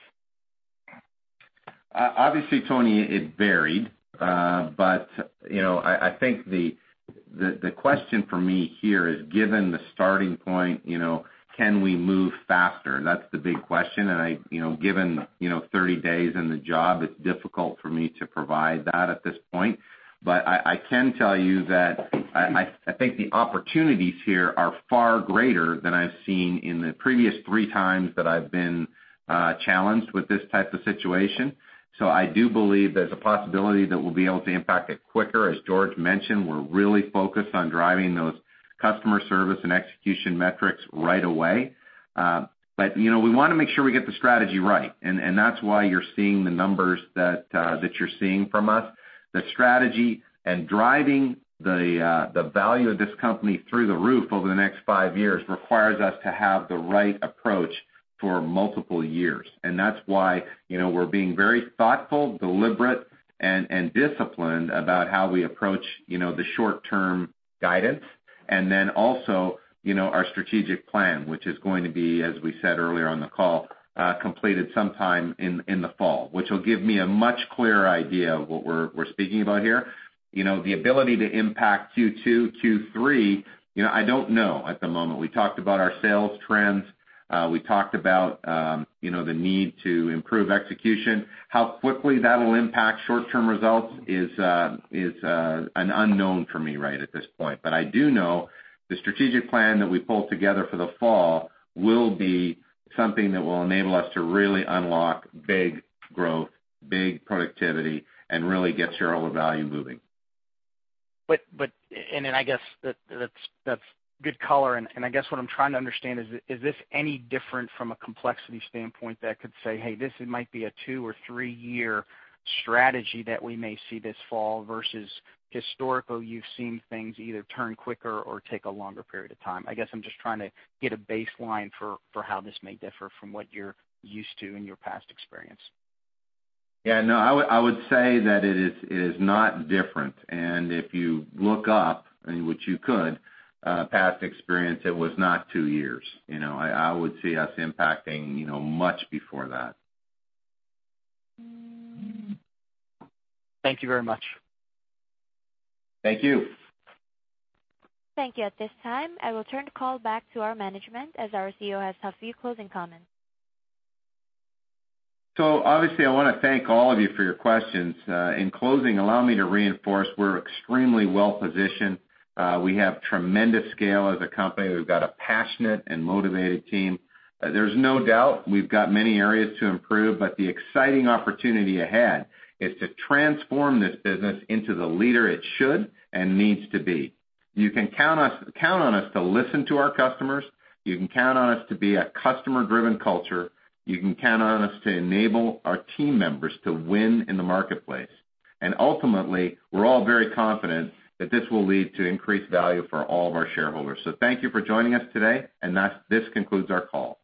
C: Obviously, Tony, it varied. I think the question for me here is, given the starting point, can we move faster? That's the big question. Given 30 days in the job, it's difficult for me to provide that at this point. I can tell you that I think the opportunities here are far greater than I've seen in the previous three times that I've been challenged with this type of situation. I do believe there's a possibility that we'll be able to impact it quicker. As George mentioned, we're really focused on driving those customer service and execution metrics right away. We want to make sure we get the strategy right, and that's why you're seeing the numbers that you're seeing from us. The strategy and driving the value of this company through the roof over the next five years requires us to have the right approach for multiple years. That's why we're being very thoughtful, deliberate, and disciplined about how we approach the short-term guidance. Also our strategic plan, which is going to be, as we said earlier on the call, completed sometime in the fall, which will give me a much clearer idea of what we're speaking about here. The ability to impact Q2, Q3, I don't know at the moment. We talked about our sales trends. We talked about the need to improve execution. How quickly that'll impact short-term results is an unknown for me right at this point. I do know the strategic plan that we pull together for the fall will be something that will enable us to really unlock big growth, big productivity, and really get shareholder value moving.
Q: I guess that's good color, I guess what I'm trying to understand is this any different from a complexity standpoint that could say, "Hey, this might be a two or three-year strategy that we may see this fall," versus historical, you've seen things either turn quicker or take a longer period of time? I guess I'm just trying to get a baseline for how this may differ from what you're used to in your past experience.
C: Yeah, no, I would say that it is not different. If you look up, which you could, past experience, it was not two years. I would see us impacting much before that.
Q: Thank you very much.
C: Thank you.
A: Thank you. At this time, I will turn the call back to our management as our CEO has a few closing comments.
C: Obviously, I want to thank all of you for your questions. In closing, allow me to reinforce we're extremely well-positioned. We have tremendous scale as a company. We've got a passionate and motivated team. There's no doubt we've got many areas to improve, but the exciting opportunity ahead is to transform this business into the leader it should and needs to be. You can count on us to listen to our customers. You can count on us to be a customer-driven culture. You can count on us to enable our team members to win in the marketplace. Ultimately, we're all very confident that this will lead to increased value for all of our shareholders. Thank you for joining us today, and this concludes our call.